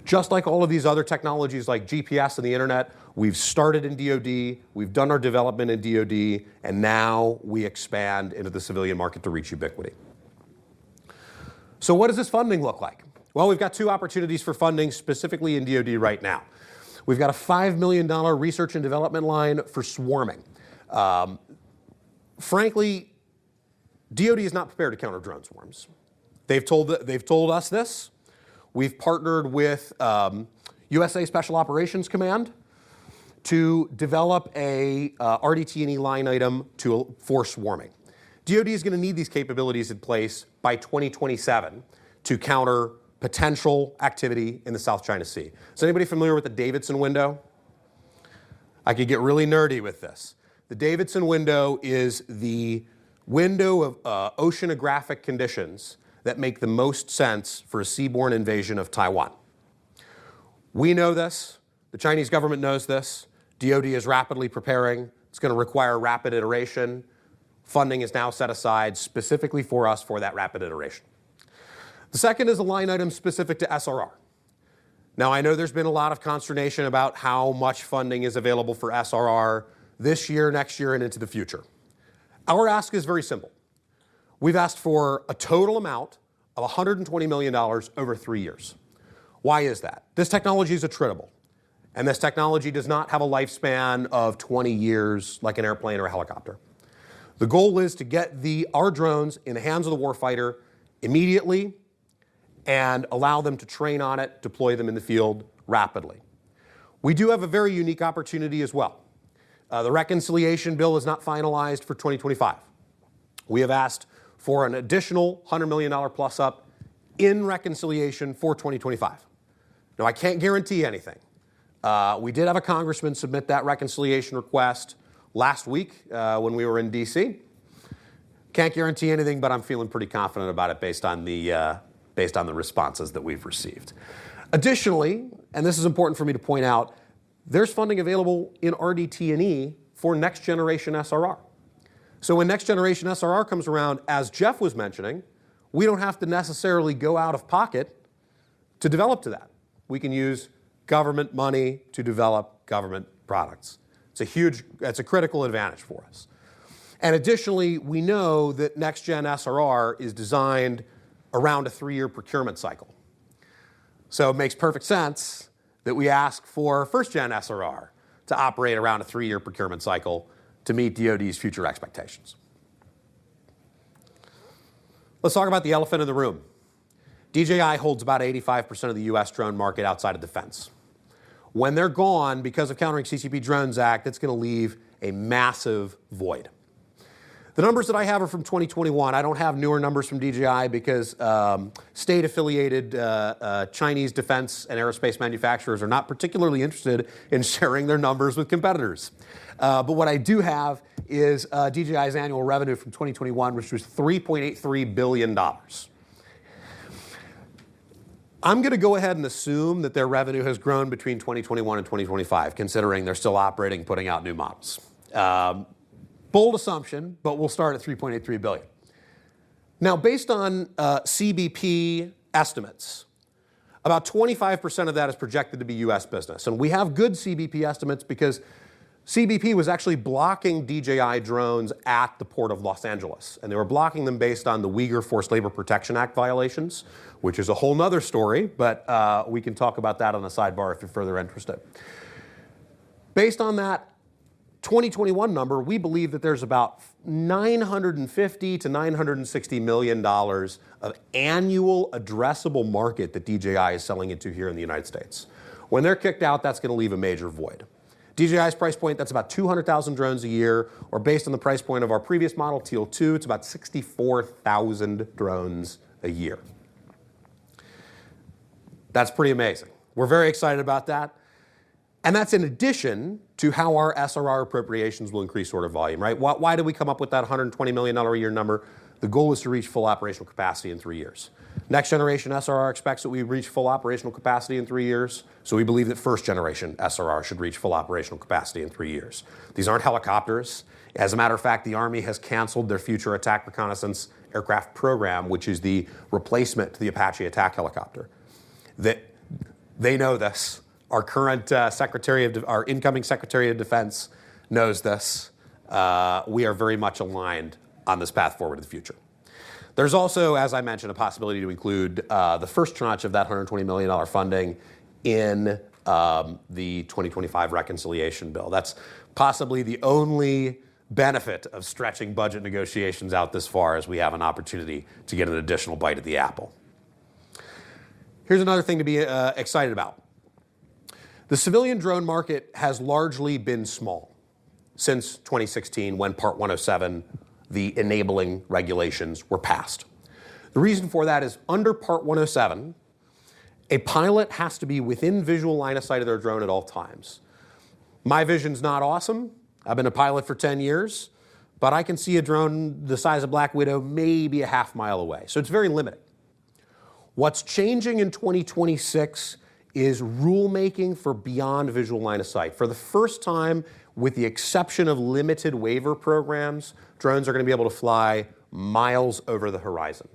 Just like all of these other technologies like GPS and the internet, we've started in DOD, we've done our development in DOD, and now we expand into the civilian market to reach ubiquity. So what does this funding look like? Well, we've got two opportunities for funding specifically in DOD right now. We've got a $5 million research and development line for swarming. Frankly, DOD is not prepared to counter drone swarms. They've told us this. We've partnered with USA Special Operations Command to develop an RDT&E line item to force swarming. DOD is going to need these capabilities in place by 2027 to counter potential activity in the South China Sea. Is anybody familiar with the Davidson Window? I could get really nerdy with this. The Davidson Window is the window of oceanographic conditions that make the most sense for a seaborne invasion of Taiwan. We know this. The Chinese government knows this. DOD is rapidly preparing. It's going to require rapid iteration. Funding is now set aside specifically for us for that rapid iteration. The second is a line item specific to SRR. Now, I know there's been a lot of consternation about how much funding is available for SRR this year, next year, and into the future. Our ask is very simple. We've asked for a total amount of $120 million over three years. Why is that? This technology is attainable, and this technology does not have a lifespan of 20 years like an airplane or a helicopter. The goal is to get our drones in the hands of the warfighter immediately and allow them to train on it, deploy them in the field rapidly. We do have a very unique opportunity as well. The reconciliation bill is not finalized for 2025. We have asked for an additional $100 million plus-up in reconciliation for 2025. Now, I can't guarantee anything. We did have a congressman submit that reconciliation request last week when we were in DC. Can't guarantee anything, but I'm feeling pretty confident about it based on the responses that we've received. Additionally, and this is important for me to point out, there's funding available in RDT&E for next-generation SRR, so when next-generation SRR comes around, as Jeff was mentioning, we don't have to necessarily go out of pocket to develop to that. We can use government money to develop government products. It's a critical advantage for us, and additionally, we know that next-gen SRR is designed around a three-year procurement cycle, so it makes perfect sense that we ask for first-gen SRR to operate around a three-year procurement cycle to meet DOD's future expectations. Let's talk about the elephant in the room. DJI holds about 85% of the U.S. drone market outside of defense. When they're gone, because of the Countering CCP Drones Act, it's going to leave a massive void. The numbers that I have are from 2021. I don't have newer numbers from DJI because state-affiliated Chinese defense and aerospace manufacturers are not particularly interested in sharing their numbers with competitors. But what I do have is DJI's annual revenue from 2021, which was $3.83 billion. I'm going to go ahead and assume that their revenue has grown between 2021 and 2025, considering they're still operating and putting out new models. Bold assumption, but we'll start at $3.83 billion. Now, based on CBP estimates, about 25% of that is projected to be U.S. business. We have good CBP estimates because CBP was actually blocking DJI drones at the Port of Los Angeles. And they were blocking them based on the Uyghur Forced Labor Protection Act violations, which is a whole nother story, but we can talk about that on the sidebar if you're further interested. Based on that 2021 number, we believe that there's about $950-$960 million of annual addressable market that DJI is selling into here in the United States. When they're kicked out, that's going to leave a major void. DJI's price point, that's about 200,000 drones a year, or based on the price point of our previous model, Teal 2, it's about 64,000 drones a year. That's pretty amazing. We're very excited about that. And that's in addition to how our SRR appropriations will increase sort of volume, right? Why did we come up with that $120 million a year number? The goal is to reach full operational capacity in three years. Next-generation SRR expects that we reach full operational capacity in three years. So we believe that first-generation SRR should reach full operational capacity in three years. These aren't helicopters. As a matter of fact, the Army has canceled their future attack reconnaissance aircraft program, which is the replacement to the Apache attack helicopter. They know this. Our incoming Secretary of Defense knows this. We are very much aligned on this path forward in the future. There's also, as I mentioned, a possibility to include the first tranche of that $120 million funding in the 2025 reconciliation bill. That's possibly the only benefit of stretching budget negotiations out this far as we have an opportunity to get an additional bite of the apple. Here's another thing to be excited about. The civilian drone market has largely been small since 2016 when Part 107, the enabling regulations, were passed. The reason for that is under Part 107, a pilot has to be within visual line of sight of their drone at all times. My vision's not awesome. I've been a pilot for 10 years, but I can see a drone the size of Black Widow maybe a half mile away. So it's very limited. What's changing in 2026 is rulemaking for beyond visual line of sight. For the first time, with the exception of limited waiver programs, drones are going to be able to fly miles over the horizon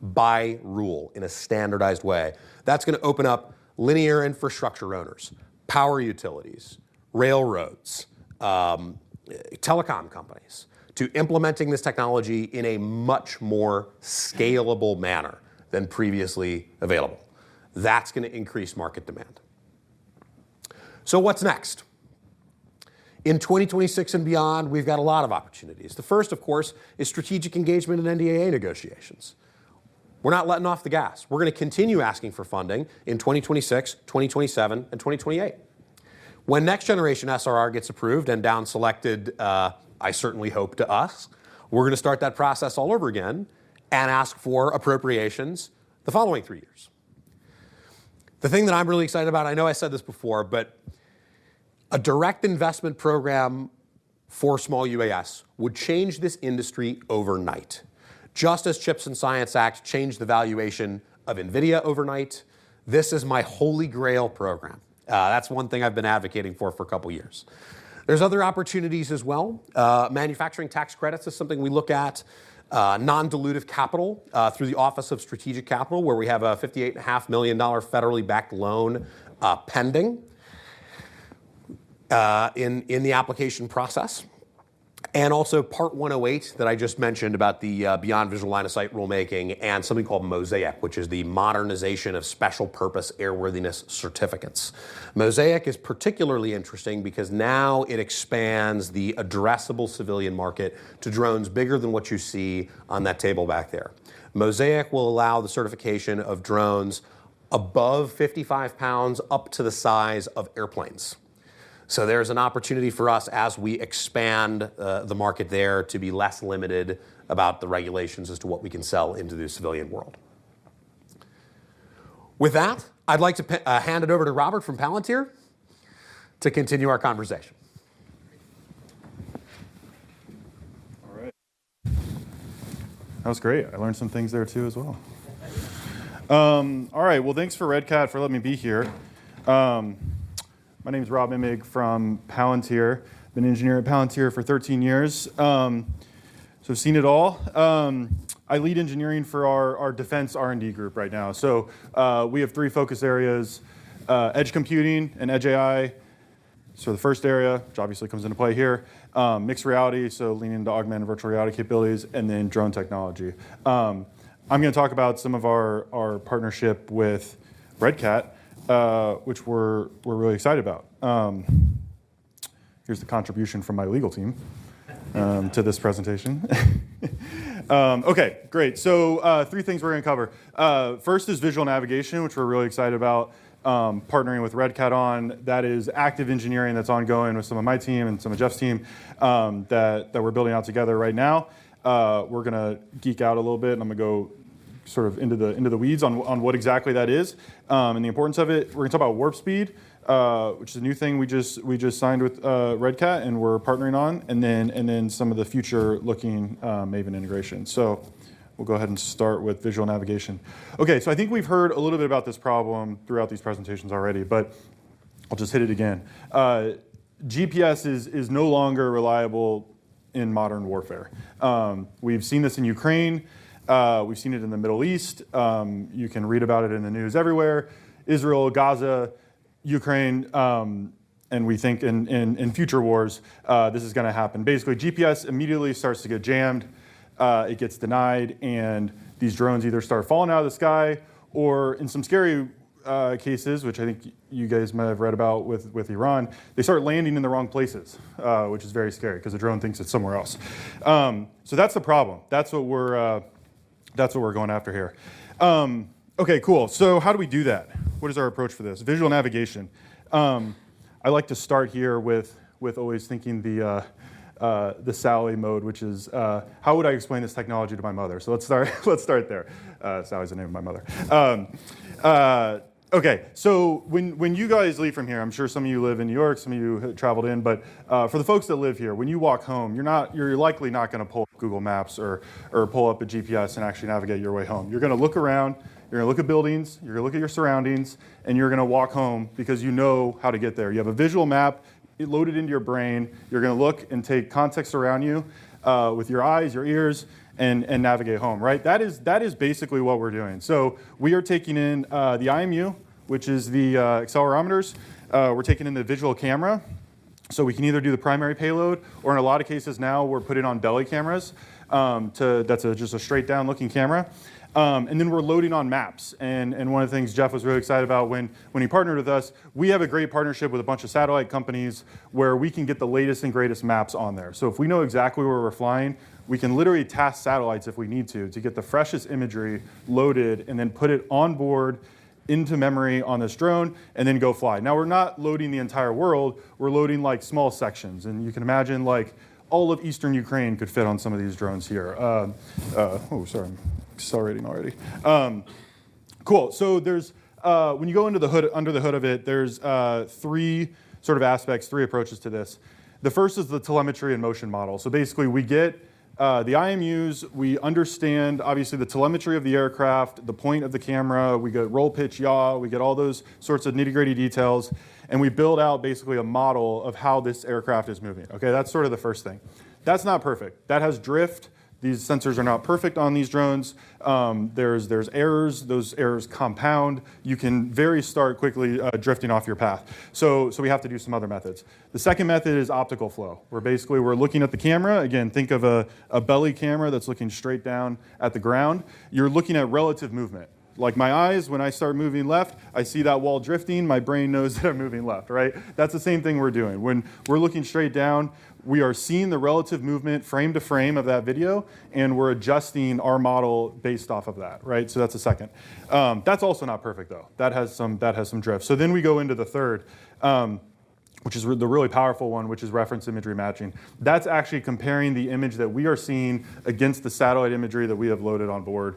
by rule in a standardized way. That's going to open up linear infrastructure owners, power utilities, railroads, telecom companies to implementing this technology in a much more scalable manner than previously available. That's going to increase market demand. So what's next? In 2026 and beyond, we've got a lot of opportunities. The first, of course, is strategic engagement in NDAA negotiations. We're not letting off the gas. We're going to continue asking for funding in 2026, 2027, and 2028. When next-generation SRR gets approved and downselected, I certainly hope it's us, we're going to start that process all over again and ask for appropriations the following three years. The thing that I'm really excited about, I know I said this before, but a direct investment program for small UAS would change this industry overnight. Just as CHIPS and Science Act changed the valuation of NVIDIA overnight, this is my holy grail program. That's one thing I've been advocating for a couple of years. There's other opportunities as well. Manufacturing tax credits is something we look at, non-dilutive capital through the Office of Strategic Capital, where we have a $58.5 million federally backed loan pending in the application process, and also Part 108 that I just mentioned about the beyond visual line of sight rulemaking and something called MOSAIC, which is the modernization of special purpose airworthiness certificates. MOSAIC is particularly interesting because now it expands the addressable civilian market to drones bigger than what you see on that table back there. MOSAIC will allow the certification of drones above 55 pounds, up to the size of airplanes, so there's an opportunity for us as we expand the market there to be less limited about the regulations as to what we can sell into the civilian world. With that, I'd like to hand it over to Robert from Palantir to continue our conversation. All right. That was great. I learned some things there too. All right. Well, thanks for Red Cat for letting me be here. My name is Rob Imig from Palantir. I've been an engineer at Palantir for 13 years. So I've seen it all. I lead engineering for our defense R&D group right now. So we have three focus areas: edge computing and edge AI. So the first area, which obviously comes into play here, mixed reality, so leaning into augmented virtual reality capabilities, and then drone technology. I'm going to talk about some of our partnership with Red Cat, which we're really excited about. Here's the contribution from my legal team to this presentation. Okay, great. So three things we're going to cover. First is visual navigation, which we're really excited about partnering with Red Cat on. That is active engineering that's ongoing with some of my team and some of Jeff's team that we're building out together right now. We're going to geek out a little bit, and I'm going to go sort of into the weeds on what exactly that is and the importance of it. We're going to talk about Warp Speed, which is a new thing we just signed with Red Cat and we're partnering on, and then some of the future-looking Maven integration. So we'll go ahead and start with visual navigation. Okay, so I think we've heard a little bit about this problem throughout these presentations already, but I'll just hit it again. GPS is no longer reliable in modern warfare. We've seen this in Ukraine. We've seen it in the Middle East. You can read about it in the news everywhere: Israel, Gaza, Ukraine, and we think in future wars this is going to happen. Basically, GPS immediately starts to get jammed. It gets denied, and these drones either start falling out of the sky or, in some scary cases, which I think you guys might have read about with Iran, they start landing in the wrong places, which is very scary because the drone thinks it's somewhere else. So that's the problem. That's what we're going after here. Okay, cool. So how do we do that? What is our approach for this? Visual navigation. I like to start here with always thinking the Sally mode, which is how would I explain this technology to my mother? So let's start there. Sally is the name of my mother. Okay, so when you guys leave from here, I'm sure some of you live in New York, some of you traveled in, but for the folks that live here, when you walk home, you're likely not going to pull up Google Maps or pull up a GPS and actually navigate your way home. You're going to look around. You're going to look at buildings. You're going to look at your surroundings, and you're going to walk home because you know how to get there. You have a visual map loaded into your brain. You're going to look and take context around you with your eyes, your ears, and navigate home, right? That is basically what we're doing. So we are taking in the IMU, which is the accelerometers. We're taking in the visual camera. So we can either do the primary payload, or in a lot of cases now, we're putting on belly cameras. That's just a straight down-looking camera. And then we're loading on maps. And one of the things Jeff was really excited about when he partnered with us, we have a great partnership with a bunch of satellite companies where we can get the latest and greatest maps on there. So if we know exactly where we're flying, we can literally task satellites if we need to to get the freshest imagery loaded and then put it on board into memory on this drone and then go fly. Now, we're not loading the entire world. We're loading small sections. And you can imagine all of Eastern Ukraine could fit on some of these drones here. Oh, sorry. Accelerating already. Cool. So when you go under the hood of it, there's three sort of aspects, three approaches to this. The first is the telemetry and motion model. So basically, we get the IMUs. We understand, obviously, the telemetry of the aircraft, the point of the camera. We get roll, pitch, yaw. We get all those sorts of nitty-gritty details. And we build out basically a model of how this aircraft is moving. Okay, that's sort of the first thing. That's not perfect. That has drift. These sensors are not perfect on these drones. There's errors. Those errors compound. You can very quickly start drifting off your path. So we have to do some other methods. The second method is Optical Flow, where basically we're looking at the camera. Again, think of a belly camera that's looking straight down at the ground. You're looking at relative movement. Like my eyes, when I start moving left, I see that wall drifting. My brain knows that I'm moving left, right? That's the same thing we're doing. When we're looking straight down, we are seeing the relative movement frame to frame of that video, and we're adjusting our model based off of that, right? So that's a second. That's also not perfect, though. That has some drift. So then we go into the third, which is the really powerful one, which is reference imagery matching. That's actually comparing the image that we are seeing against the satellite imagery that we have loaded on board.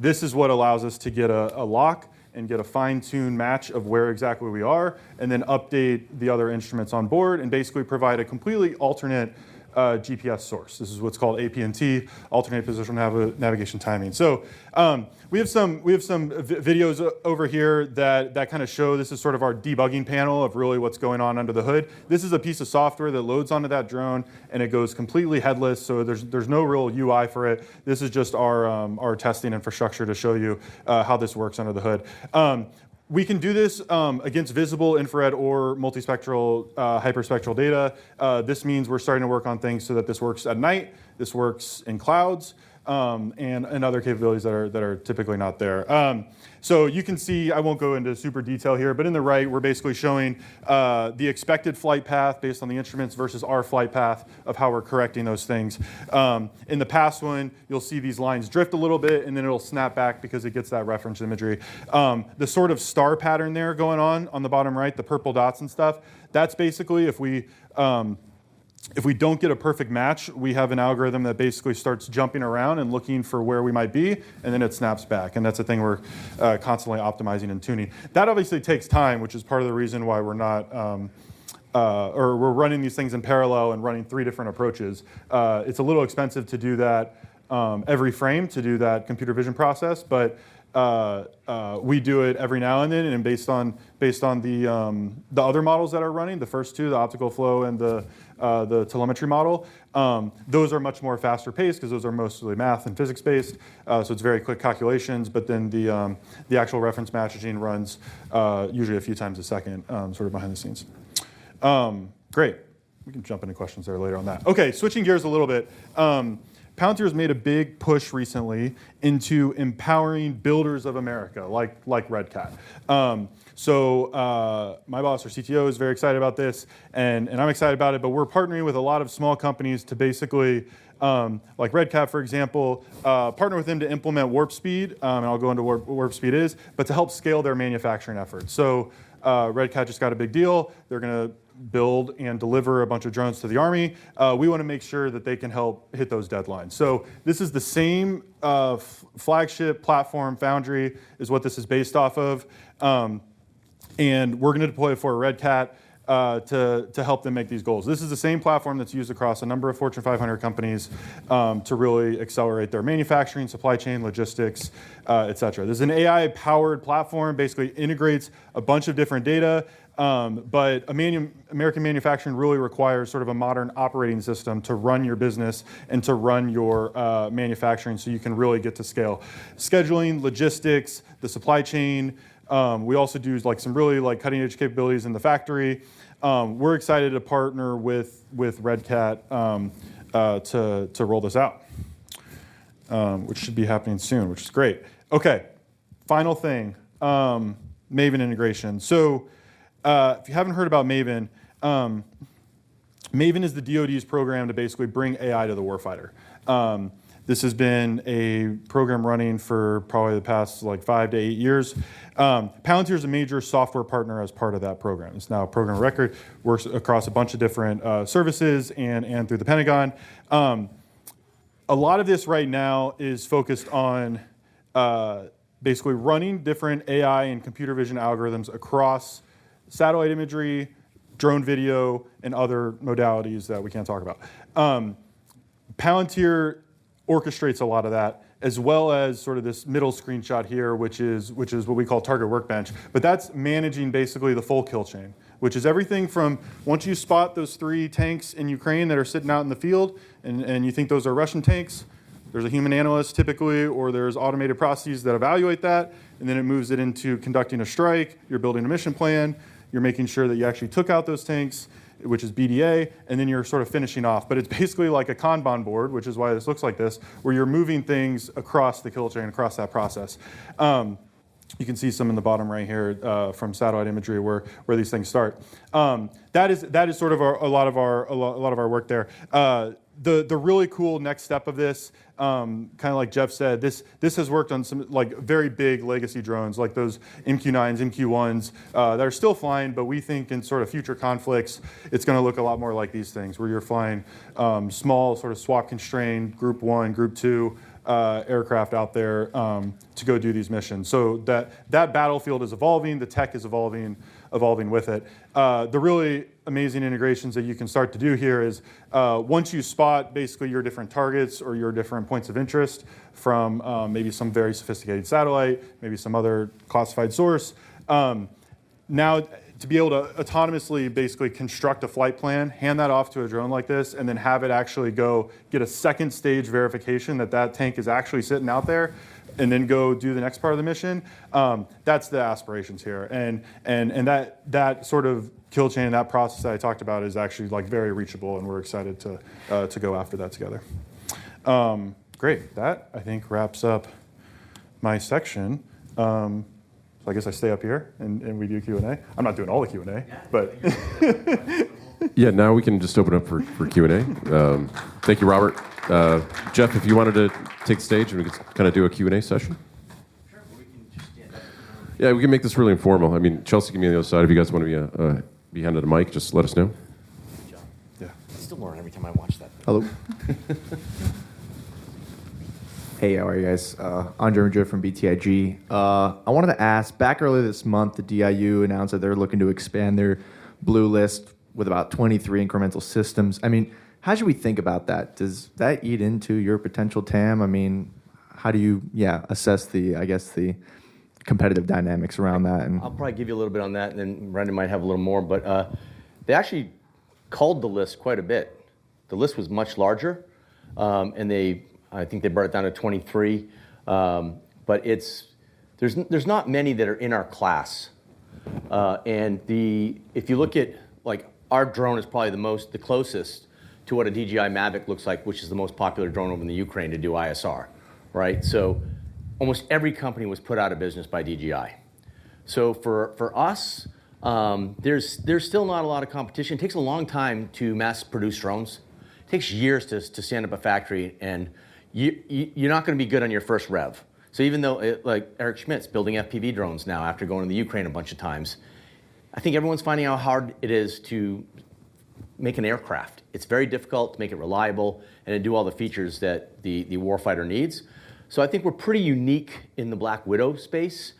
This is what allows us to get a lock and get a fine-tuned match of where exactly we are and then update the other instruments on board and basically provide a completely alternate GPS source. This is what's called APNT, alternate position navigation timing. So we have some videos over here that kind of show this is sort of our debugging panel of really what's going on under the hood. This is a piece of software that loads onto that drone, and it goes completely headless. So there's no real UI for it. This is just our testing infrastructure to show you how this works under the hood. We can do this against visible, infrared, or multispectral, hyperspectral data. This means we're starting to work on things so that this works at night. This works in clouds and other capabilities that are typically not there. So you can see, I won't go into super detail here, but on the right, we're basically showing the expected flight path based on the instruments versus our flight path of how we're correcting those things. In the past one, you'll see these lines drift a little bit, and then it'll snap back because it gets that reference imagery. The sort of star pattern there going on on the bottom right, the purple dots and stuff, that's basically if we don't get a perfect match, we have an algorithm that basically starts jumping around and looking for where we might be, and then it snaps back. That's a thing we're constantly optimizing and tuning. That obviously takes time, which is part of the reason why we're running these things in parallel and running three different approaches. It's a little expensive to do that every frame to do that computer vision process, but we do it every now and then. Based on the other models that are running, the first two, the optical flow and the telemetry model, those are much more faster paced because those are mostly math and physics-based, so it's very quick calculations, but then the actual reference matching runs usually a few times a second sort of behind the scenes. Great. We can jump into questions there later on that. Okay, switching gears a little bit. Palantir has made a big push recently into empowering builders of America like Red Cat, so my boss, our CTO, is very excited about this, and I'm excited about it, but we're partnering with a lot of small companies to basically, like Red Cat, for example, partner with them to implement Warp Speed, and I'll go into what Warp Speed is, but to help scale their manufacturing efforts, so Red Cat just got a big deal. They're going to build and deliver a bunch of drones to the army. We want to make sure that they can help hit those deadlines. So this is the same flagship platform. Foundry is what this is based off of. And we're going to deploy it for Red Cat to help them make these goals. This is the same platform that's used across a number of Fortune 500 companies to really accelerate their manufacturing, supply chain, logistics, etc. There's an AI-powered platform. Basically, it integrates a bunch of different data, but American manufacturing really requires sort of a modern operating system to run your business and to run your manufacturing so you can really get to scale. Scheduling, logistics, the supply chain. We also do some really cutting-edge capabilities in the factory. We're excited to partner with Red Cat to roll this out, which should be happening soon, which is great. Okay, final thing, Maven integration. So if you haven't heard about Maven, Maven is the DOD's program to basically bring AI to the warfighter. This has been a program running for probably the past five to eight years. Palantir is a major software partner as part of that program. It's now a program of record, works across a bunch of different services and through the Pentagon. A lot of this right now is focused on basically running different AI and computer vision algorithms across satellite imagery, drone video, and other modalities that we can't talk about. Palantir orchestrates a lot of that, as well as sort of this middle screenshot here, which is what we call target workbench. But that's managing basically the full Kill Chain, which is everything from once you spot those three tanks in Ukraine that are sitting out in the field and you think those are Russian tanks, there's a human analyst typically, or there's automated processes that evaluate that, and then it moves it into conducting a strike. You're building a mission plan. You're making sure that you actually took out those tanks, which is BDA, and then you're sort of finishing off. But it's basically like a Kanban board, which is why this looks like this, where you're moving things across the Kill Chain, across that process. You can see some in the bottom right here from satellite imagery where these things start. That is sort of a lot of our work there. The really cool next step of this, kind of like Jeff said, this has worked on some very big legacy drones, like those MQ-9s, MQ-1s that are still flying, but we think in sort of future conflicts, it's going to look a lot more like these things where you're flying small sort of swarm-constrained group one, group two aircraft out there to go do these missions. So that battlefield is evolving. The tech is evolving with it. The really amazing integrations that you can start to do here is once you spot basically your different targets or your different points of interest from maybe some very sophisticated satellite, maybe some other classified source, now to be able to autonomously basically construct a flight plan, hand that off to a drone like this, and then have it actually go get a second stage verification that that tank is actually sitting out there and then go do the next part of the mission, that's the aspirations here, and that sort of kill chain and that process that I talked about is actually very reachable, and we're excited to go after that together. Great. That, I think, wraps up my section. So I guess I stay up here and we do Q&A. I'm not doing all the Q&A, but. Yeah, now we can just open up for Q&A. Thank you, Robert. Jeff, if you wanted to take the stage and we could kind of do a Q&A session. Sure. We can just stand up. Yeah, we can make this really informal. I mean, Chelsea, give me the other side. If you guys want to be handed a mic, just let us know. Yeah. I still learn every time I watch that. Hello. Hey, how are you guys? Andre and Jeff from BTIG. I wanted to ask, back early this month, the DIU announced that they're looking to expand their blue list with about 23 incremental systems. I mean, how should we think about that? Does that eat into your potential, Tam? I mean, how do you, yeah, assess the, I guess, the competitive dynamics around that? I'll probably give you a little bit on that, and then Randy might have a little more, but they actually culled the list quite a bit. The list was much larger, and I think they brought it down to 23. But there's not many that are in our class. And if you look at our drone, it's probably the closest to what a DJI Mavic looks like, which is the most popular drone over in the Ukraine to do ISR, right? So almost every company was put out of business by DJI. So for us, there's still not a lot of competition. It takes a long time to mass produce drones. It takes years to stand up a factory, and you're not going to be good on your first rev. So even though Eric Schmidt's building FPV drones now after going to Ukraine a bunch of times, I think everyone's finding out how hard it is to make an aircraft. It's very difficult to make it reliable and to do all the features that the warfighter needs. So I think we're pretty unique in the Black Widow space.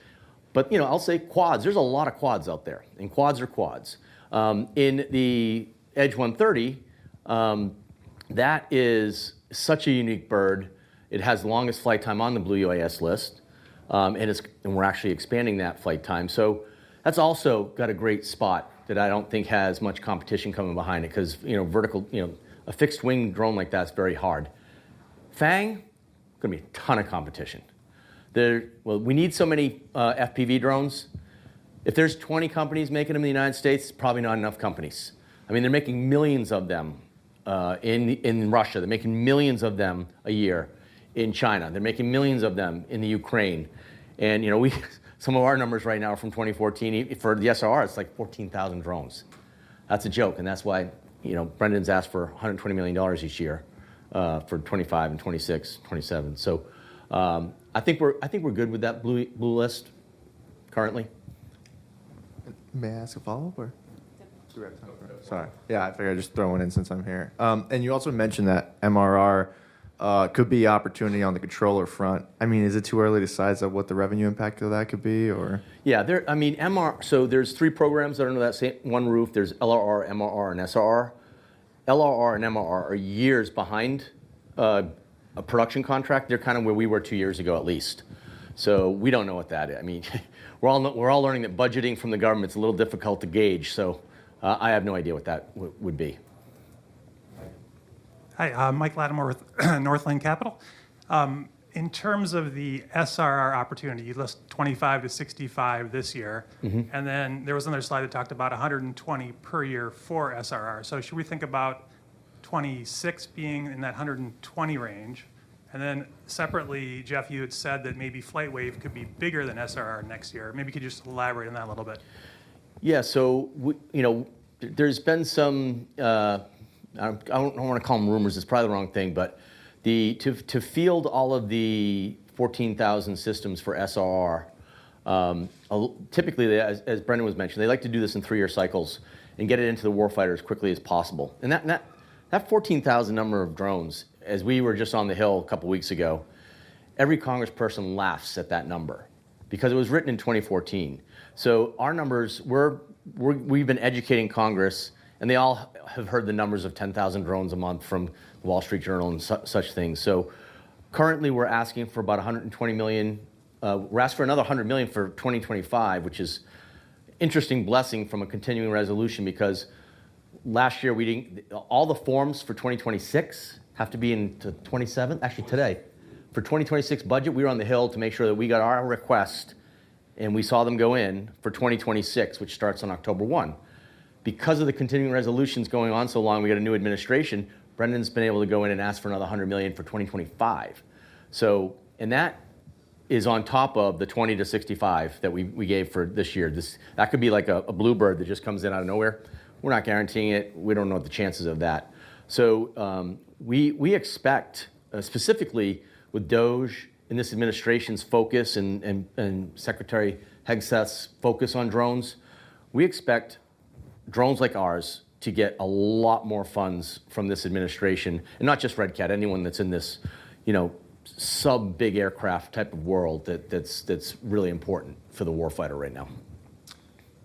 But I'll say quads. There's a lot of quads out there, and quads are quads. In the Edge 130, that is such a unique bird. It has the longest flight time on the Blue UAS list, and we're actually expanding that flight time. So that's also got a great spot that I don't think has much competition coming behind it because a fixed-wing drone like that's very hard. FPV and going to be a ton of competition. Well, we need so many FPV drones. If there's 20 companies making them in the United States, it's probably not enough companies. I mean, they're making millions of them in Russia. They're making millions of them a year in China. They're making millions of them in the Ukraine. And some of our numbers right now are from 2014. For the SRR, it's like 14,000 drones. That's a joke. And that's why Brendan's asked for $120 million each year for 2025 and 2026, 2027. So I think we're good with that blue list currently. May I ask a follow-up, or? Sorry. Yeah, I figured I'd just throw one in since I'm here. And you also mentioned that MRR could be an opportunity on the controller front. I mean, is it too early to size out what the revenue impact of that could be, or? Yeah. I mean, so there's three programs under that same one roof. There's LRR, MRR, and SRR. LRR and MRR are years behind a production contract. They're kind of where we were two years ago at least. So we don't know what that is. I mean, we're all learning that budgeting from the government's a little difficult to gauge. So I have no idea what that would be. Hi. Mike Latimore with Northland Capital. In terms of the SRR opportunity, you list 25-65 this year. And then there was another slide that talked about 120 per year for SRR. So should we think about 26 being in that 120 range? And then separately, Jeff, you had said that maybe FlightWave could be bigger than SRR next year. Maybe you could just elaborate on that a little bit. Yeah. So there's been some, I don't want to call them rumors. It's probably the wrong thing, but to field all of the 14,000 systems for SRR, typically, as Brendan was mentioning, they like to do this in three-year cycles and get it into the warfighters as quickly as possible. That 14,000 number of drones, as we were just on the Hill a couple of weeks ago, every congressperson laughs at that number because it was written in 2014. Our numbers, we've been educating Congress, and they all have heard the numbers of 10,000 drones a month from The Wall Street Journal and such things. Currently, we're asking for about $120 million. We're asking for another $100 million for 2025, which is an interesting blessing from a continuing resolution because last year, all the forms for 2026 have to be into 2027. Actually, today, for 2026 budget, we were on the Hill to make sure that we got our request, and we saw them go in for 2026, which starts on October 1. Because of the continuing resolutions going on so long, we got a new administration. Brendan's been able to go in and ask for another $100 million for 2025. And that is on top of the $20 million-$65 million that we gave for this year. That could be like a bluebird that just comes in out of nowhere. We're not guaranteeing it. We don't know the chances of that. So we expect, specifically with DOGE and this administration's focus and Secretary Hegseth's focus on drones, we expect drones like ours to get a lot more funds from this administration. And not just Red Cat, anyone that's in this sub-big aircraft type of world that's really important for the warfighter right now.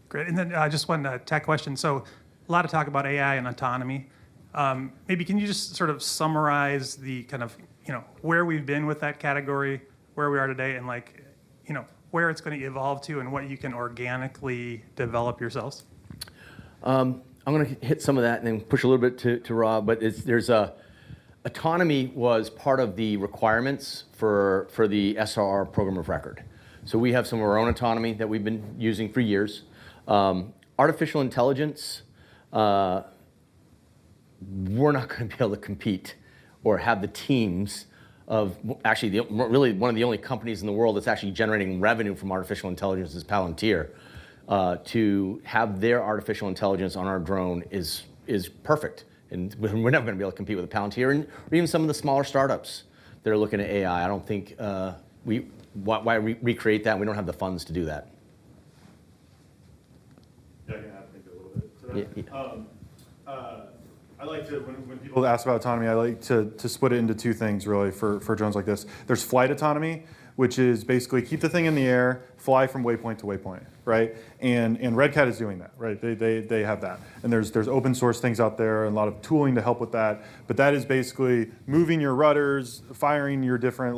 Great. And then just one tech question. So a lot of talk about AI and autonomy. Maybe can you just sort of summarize kind of where we've been with that category, where we are today, and where it's going to evolve to and what you can organically develop yourselves? I'm going to hit some of that and then push a little bit to Rob, but autonomy was part of the requirements for the SRR program of record. So we have some of our own autonomy that we've been using for years. Artificial intelligence, we're not going to be able to compete or have the teams of actually really one of the only companies in the world that's actually generating revenue from artificial intelligence is Palantir to have their artificial intelligence on our drone is perfect. And we're never going to be able to compete with the Palantir and even some of the smaller startups that are looking at AI. I don't think why recreate that when we don't have the funds to do that. Yeah, I can add maybe a little bit to that. I like to, when people ask about autonomy, I like to split it into two things, really, for drones like this. There's flight autonomy, which is basically keep the thing in the air, fly from waypoint to waypoint, right? And Red Cat is doing that, right? They have that. And there's open-source things out there and a lot of tooling to help with that. But that is basically moving your rudders, firing your different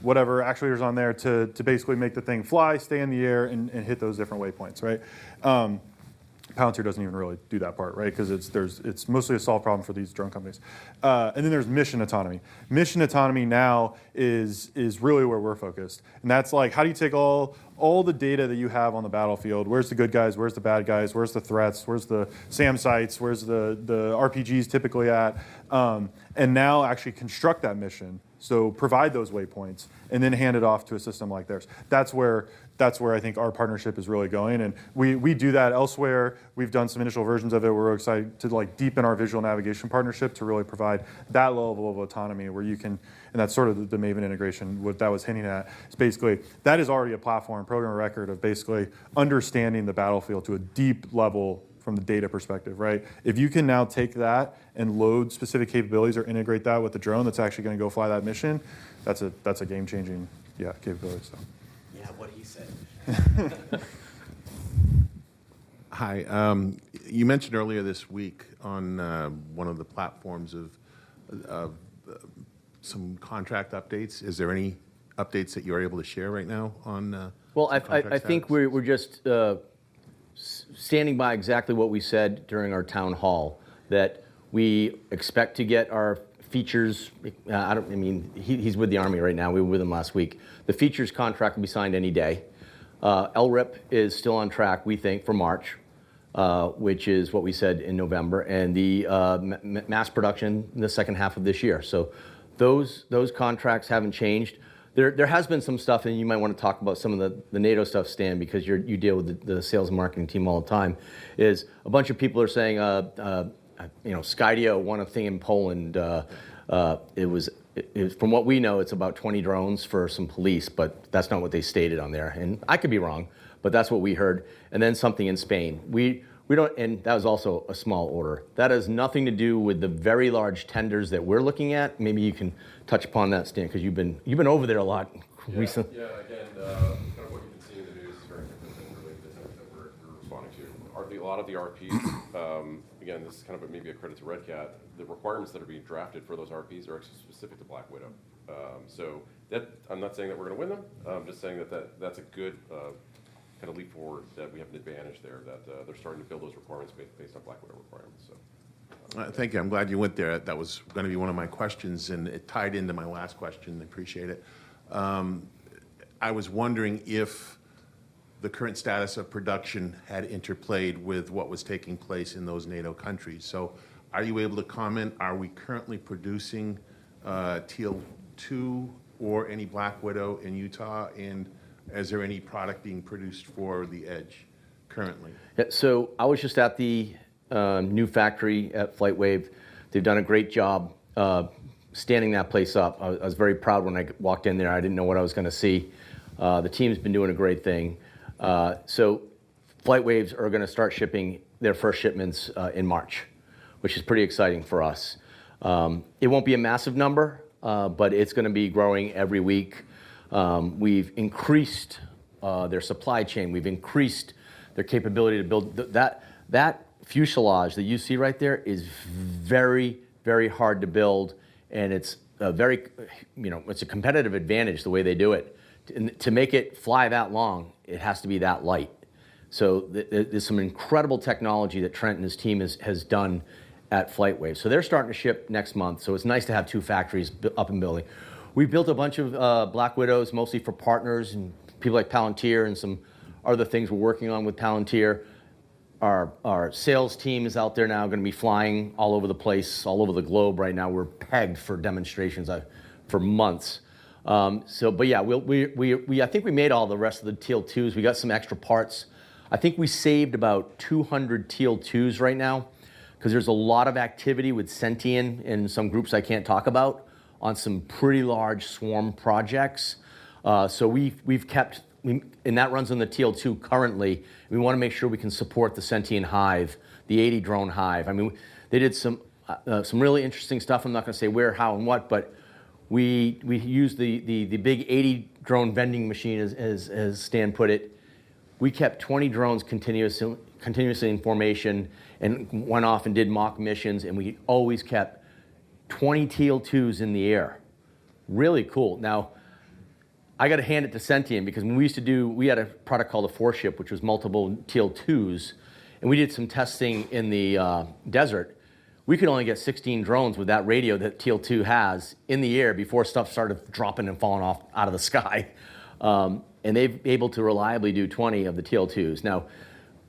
whatever actuators on there to basically make the thing fly, stay in the air, and hit those different waypoints, right? Palantir doesn't even really do that part, right? Because it's mostly a solved problem for these drone companies. And then there's mission autonomy. Mission autonomy now is really where we're focused. And that's like, how do you take all the data that you have on the battlefield? Where's the good guys? Where's the bad guys? Where's the threats? Where's the SAM sites? Where's the RPGs typically at? And now actually construct that mission, so provide those waypoints, and then hand it off to a system like theirs. That's where I think our partnership is really going. And we do that elsewhere. We've done some initial versions of it. We're excited to deepen our visual navigation partnership to really provide that level of autonomy where you can, and that's sort of the Maven integration that I was hinting at. It's basically that is already a platform program of record of basically understanding the battlefield to a deep level from the data perspective, right? If you can now take that and load specific capabilities or integrate that with the drone that's actually going to go fly that mission, that's a game-changing capability, so. Yeah, what he said. Hi. You mentioned earlier this week on one of the platforms of some contract updates. Is there any updates that you are able to share right now on? Well, I think we're just standing by exactly what we said during our town hall that we expect to get our features. I mean, he's with the Army right now. We were with him last week. The Futures contract will be signed any day. LRIP is still on track, we think, for March, which is what we said in November, and the mass production in the second half of this year, so those contracts haven't changed. There has been some stuff, and you might want to talk about some of the NATO stuff, Stan, because you deal with the sales and marketing team all the time. A bunch of people are saying Skydio won a thing in Poland. From what we know, it's about 20 drones for some police, but that's not what they stated on there, and I could be wrong, but that's what we heard, and then something in Spain, and that was also a small order. That has nothing to do with the very large tenders that we're looking at. Maybe you can touch upon that, Stan, because you've been over there a lot recently. Yeah. Again, kind of what you've been seeing in the news during the pandemic related to the tender that we're responding to. A lot of the RPs, again, this is kind of maybe a credit to Red Cat, the requirements that are being drafted for those RPs are actually specific to Black Widow. So I'm not saying that we're going to win them. I'm just saying that that's a good kind of leap forward that we have an advantage there that they're starting to build those requirements based on Black Widow requirements, so. Thank you. I'm glad you went there. That was going to be one of my questions, and it tied into my last question. I appreciate it. I was wondering if the current status of production had interplayed with what was taking place in those NATO countries. So are you able to comment? Are we currently producing Teal 2 or any Black Widow in Utah? And is there any product being produced for the Edge currently? Yeah. So I was just at the new factory at FlightWave. They've done a great job standing that place up. I was very proud when I walked in there. I didn't know what I was going to see. The team's been doing a great thing. So FlightWaves are going to start shipping their first shipments in March, which is pretty exciting for us. It won't be a massive number, but it's going to be growing every week. We've increased their supply chain. We've increased their capability to build. That fuselage that you see right there is very, very hard to build, and it's a competitive advantage the way they do it. To make it fly that long, it has to be that light. So there's some incredible technology that Trent and his team has done at FlightWave. So they're starting to ship next month. So it's nice to have two factories up and building. We've built a bunch of Black Widows, mostly for partners and people like Palantir and some other things we're working on with Palantir. Our sales team is out there now, going to be flying all over the place, all over the globe right now. We're pegged for demonstrations for months. But yeah, I think we made all the rest of the Teal 2s. We got some extra parts. I think we saved about 200 Teal 2s right now because there's a lot of activity with Sentien and some groups I can't talk about on some pretty large swarm projects. So we've kept, and that runs on the Teal 2 currently. We want to make sure we can support the Sentien Hive, the 80-drone hive. I mean, they did some really interesting stuff. I'm not going to say where, how, and what, but we used the big 80-drone vending machine, as Stan put it. We kept 20 drones continuously in formation and went off and did mock missions, and we always kept 20 Teal 2s in the air. Really cool. Now, I got to hand it to Sentien because when we used to do, we had a product called the four-ship, which was multiple Teal 2s. We did some testing in the desert. We could only get 16 drones with that radio that Teal 2 has in the air before stuff started dropping and falling off out of the sky, and they've been able to reliably do 20 of the Teal 2s. Now,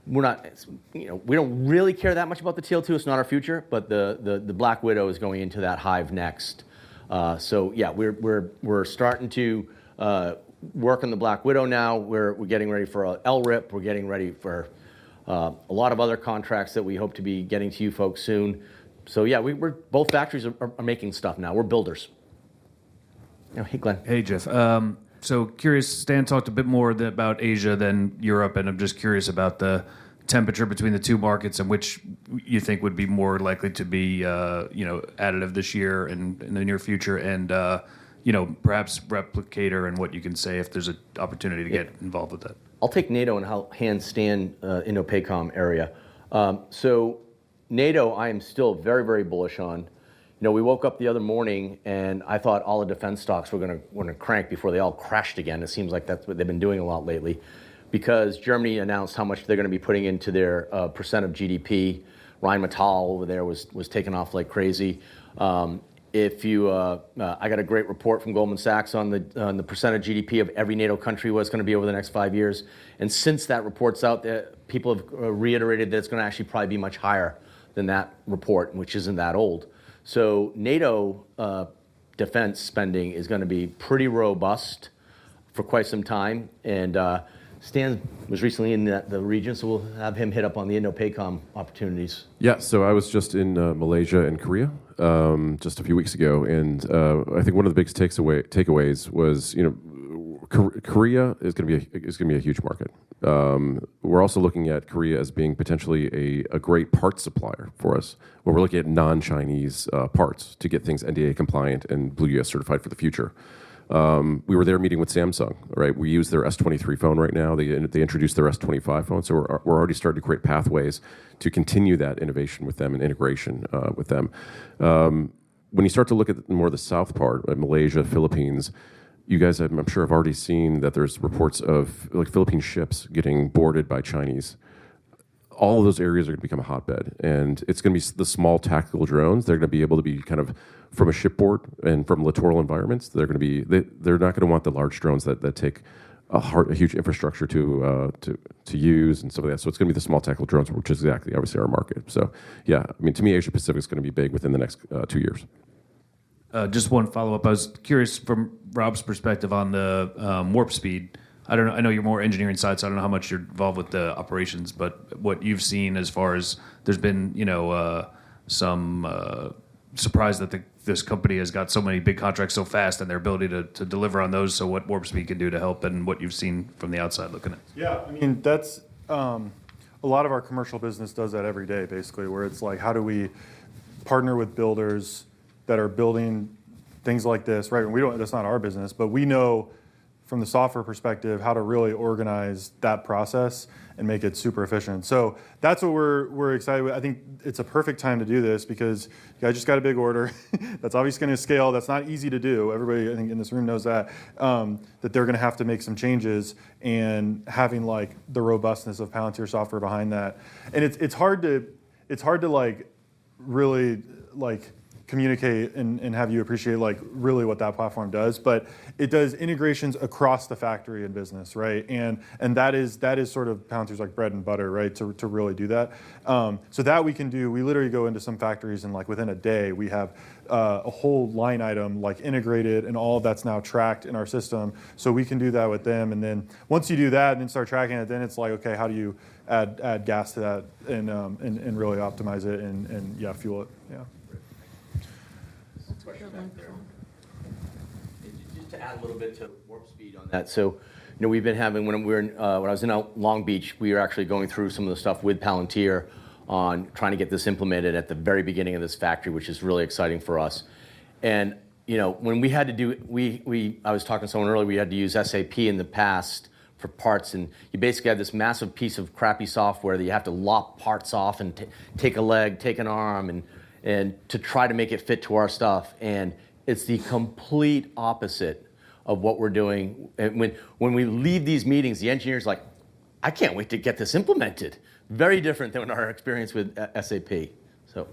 we don't really care that much about the Teal 2. It's not our future, but the Black Widow is going into that hive next, so yeah, we're starting to work on the Black Widow now. We're getting ready for LRIP. We're getting ready for a lot of other contracts that we hope to be getting to you folks soon, so yeah, both factories are making stuff now. We're builders. Hey, Glenn. Hey, Jeff. So curious. Stan talked a bit more about Asia than Europe, and I'm just curious about the temperature between the two markets and which you think would be more likely to be additive this year and in the near future and perhaps Replicator and what you can say if there's an opportunity to get involved with that. I'll take NATO and hand to Stan the Pacific area. So NATO, I am still very, very bullish on. We woke up the other morning, and I thought all the defense stocks were going to crank before they all crashed again. It seems like that's what they've been doing a lot lately because Germany announced how much they're going to be putting into their 2% of GDP. Rheinmetall over there was taking off like crazy. I got a great report from Goldman Sachs on the % of GDP of every NATO country what it's going to be over the next five years. And since that report's out there, people have reiterated that it's going to actually probably be much higher than that report, which isn't that old. So NATO defense spending is going to be pretty robust for quite some time. And Stan was recently in the region, so we'll have him hit up on the Indo-Pacific opportunities. Yeah. So I was just in Malaysia and Korea just a few weeks ago, and I think one of the biggest takeaways was Korea is going to be a huge market. We're also looking at Korea as being potentially a great parts supplier for us. We're looking at non-Chinese parts to get things NDAA compliant and Blue UAS certified for the future. We were there meeting with Samsung, right? We use their S23 phone right now. They introduced their S25 phone. So we're already starting to create pathways to continue that innovation with them and integration with them. When you start to look at more of the south part, Malaysia, Philippines, you guys, I'm sure, have already seen that there's reports of Philippine ships getting boarded by Chinese. All of those areas are going to become a hotbed, and it's going to be the small tactical drones. They're going to be able to be kind of from a shipboard and from littoral environments. They're not going to want the large drones that take a huge infrastructure to use and stuff like that. So it's going to be the small tactical drones, which is exactly, obviously, our market. So yeah, I mean, to me, Asia-Pacific is going to be big within the next two years. Just one follow-up. I was curious from Rob's perspective on the Warp Speed. I know you're more engineering side, so I don't know how much you're involved with the operations, but what you've seen as far as there's been some surprise that this company has got so many big contracts so fast and their ability to deliver on those, so what Warp Speed can do to help and what you've seen from the outside looking at. Yeah. I mean, a lot of our commercial business does that every day, basically, where it's like, how do we partner with builders that are building things like this, right? That's not our business, but we know from the software perspective how to really organize that process and make it super efficient. So that's what we're excited with. I think it's a perfect time to do this because you guys just got a big order. That's obviously going to scale. That's not easy to do. Everybody, I think, in this room knows that they're going to have to make some changes and having the robustness of Palantir software behind that. And it's hard to really communicate and have you appreciate really what that platform does, but it does integrations across the factory and business, right? And that is sort of Palantir's bread and butter, right, to really do that. So that we can do, we literally go into some factories, and within a day, we have a whole line item integrated, and all of that's now tracked in our system. So we can do that with them. And then once you do that and then start tracking it, then it's like, okay, how do you add gas to that and really optimize it and, yeah, fuel it? Yeah. Just to add a little bit to Warp Speed on that. So we've been having, when I was in Long Beach, we were actually going through some of the stuff with Palantir on trying to get this implemented at the very beginning of this factory, which is really exciting for us. And when we had to do, I was talking to someone earlier, we had to use SAP in the past for parts, and you basically have this massive piece of crappy software that you have to lop parts off and take a leg, take an arm to try to make it fit to our stuff. And it's the complete opposite of what we're doing. When we leave these meetings, the engineer's like, "I can't wait to get this implemented." Very different than our experience with SAP, so.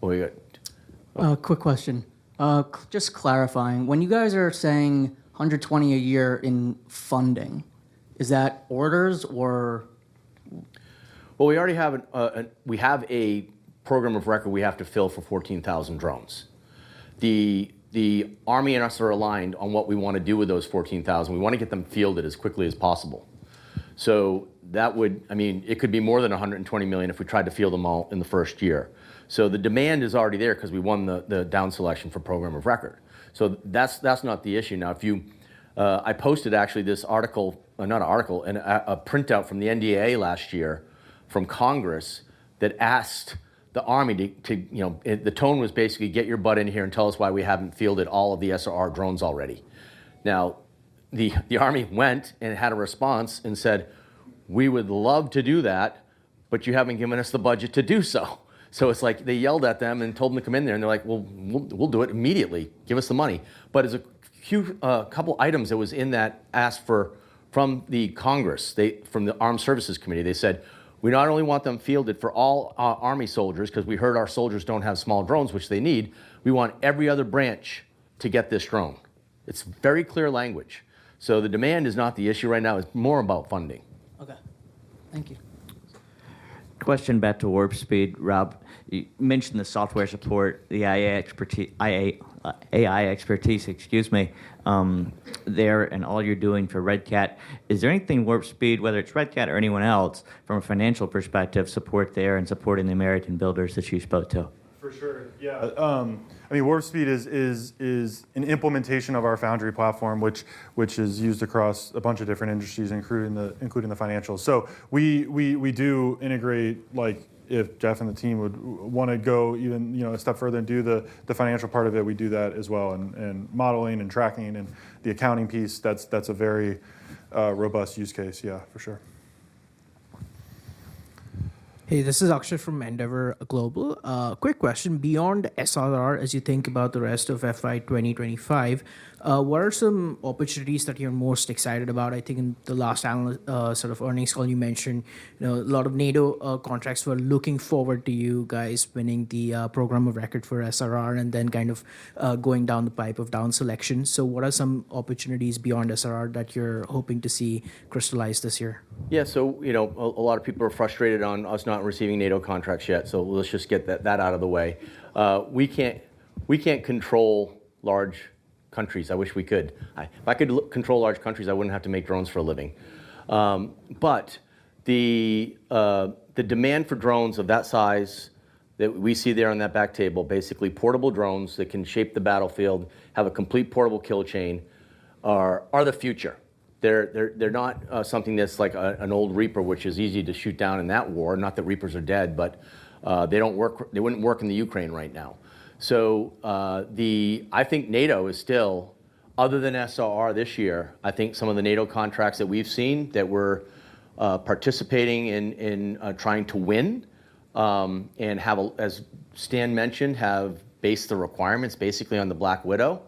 Quick question. Just clarifying, when you guys are saying $120 million a year in funding, is that orders or? Well, we already have a program of record we have to fill for 14,000 drones. The Army and us are aligned on what we want to do with those 14,000. We want to get them fielded as quickly as possible. So I mean, it could be more than $120 million if we tried to field them all in the first year. So the demand is already there because we won the down selection for program of record. So that's not the issue. Now, I posted actually this article, not an article, a printout from the NDAA last year from Congress that asked the Army to. The tone was basically, "Get your butt in here and tell us why we haven't fielded all of the SRR drones already." The Army went and had a response and said, "We would love to do that, but you haven't given us the budget to do so." So it's like they yelled at them and told them to come in there, and they're like, "Well, we'll do it immediately. Give us the money." But a couple of items that was in that ask from the Congress, from the Armed Services Committee, they said, "We not only want them fielded for all Army soldiers because we heard our soldiers don't have small drones, which they need. We want every other branch to get this drone." It's very clear language. So the demand is not the issue right now. It's more about funding. Okay. Thank you. Question back to Warp Speed. Rob, you mentioned the software support, the AI expertise, excuse me, there and all you're doing for Red Cat. Is there anything Warp Speed, whether it's Red Cat or anyone else, from a financial perspective, support there and supporting the American builders that you spoke to? For sure. Yeah. I mean, Warp Speed is an implementation of our Foundry platform, which is used across a bunch of different industries, including the financials. So we do integrate. If Jeff and the team would want to go even a step further and do the financial part of it, we do that as well, and modeling and tracking and the accounting piece, that's a very robust use case. Yeah, for sure. Hey, this is Akshay from Endeavor Global. Quick question. Beyond SRR, as you think about the rest of FY 2025, what are some opportunities that you're most excited about? I think in the last sort of earnings call, you mentioned a lot of NATO contracts were looking forward to you guys winning the program of record for SRR and then kind of going down the pipe of down selection. So what are some opportunities beyond SRR that you're hoping to see crystallize this year? Yeah. So a lot of people are frustrated on us not receiving NATO contracts yet, so let's just get that out of the way. We can't control large countries. I wish we could. If I could control large countries, I wouldn't have to make drones for a living. But the demand for drones of that size that we see there on that back table, basically portable drones that can shape the battlefield, have a complete portable kill chain, are the future. They're not something that's like an old Reaper, which is easy to shoot down in that war. Not that Reapers are dead, but they wouldn't work in Ukraine right now. So I think NATO is still, other than SRR this year, I think some of the NATO contracts that we've seen that we're participating in trying to win and, as Stan mentioned, have based the requirements basically on the Black Widow,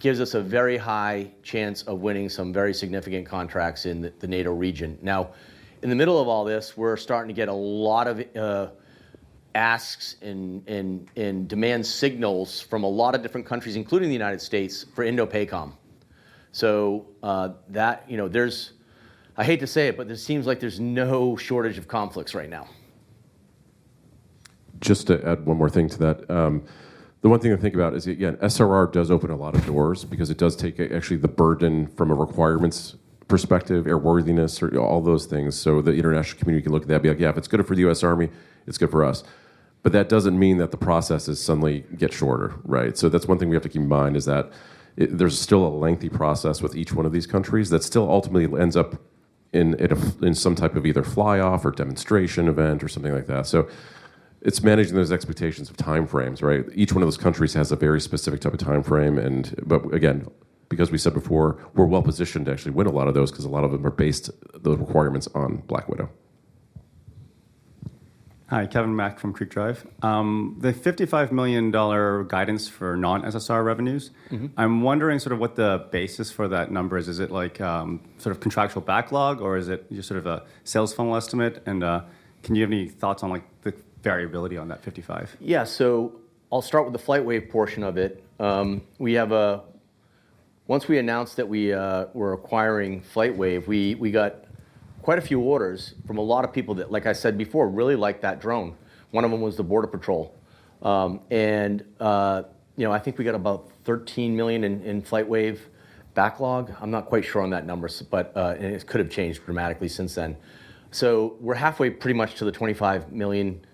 gives us a very high chance of winning some very significant contracts in the NATO region. Now, in the middle of all this, we're starting to get a lot of asks and demand signals from a lot of different countries, including the United States, for Indo-Pacific. So I hate to say it, but it seems like there's no shortage of conflicts right now. Just to add one more thing to that. The one thing to think about is, again, SRR does open a lot of doors because it does take actually the burden from a requirements perspective, airworthiness, all those things. So the international community can look at that and be like, "Yeah, if it's good for the U.S. Army, it's good for us." But that doesn't mean that the processes suddenly get shorter, right? So that's one thing we have to keep in mind is that there's still a lengthy process with each one of these countries that still ultimately ends up in some type of either fly-off or demonstration event or something like that. So it's managing those expectations of time frames, right? Each one of those countries has a very specific type of time frame. But again, because we said before, we're well positioned to actually win a lot of those because a lot of them are based on the requirements on Black Widow. Hi, Kevin Mack from Creek Drive. The $55 million guidance for non-SSR revenues, I'm wondering sort of what the basis for that number is. Is it sort of contractual backlog, or is it just sort of a sales funnel estimate? And can you have any thoughts on the variability on that 55? Yeah. I'll start with the FlightWave portion of it. Once we announced that we were acquiring FlightWave, we got quite a few orders from a lot of people that, like I said before, really liked that drone. One of them was the Border Patrol. I think we got about $13 million in FlightWave backlog. I'm not quite sure on that number, but it could have changed dramatically since then. We're halfway pretty much to the $25 million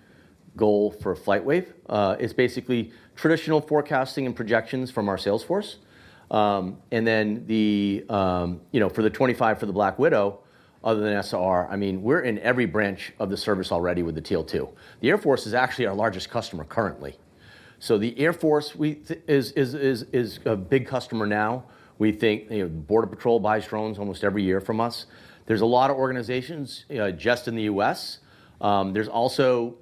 goal for FlightWave. It's basically traditional forecasting and projections from our sales force. Then for the $25 million for the Black Widow, other than SRR, I mean, we're in every branch of the service already with the Teal 2. The Air Force is actually our largest customer currently. The Air Force is a big customer now. We think the Border Patrol buys drones almost every year from us. There's a lot of organizations just in the US. We think there's also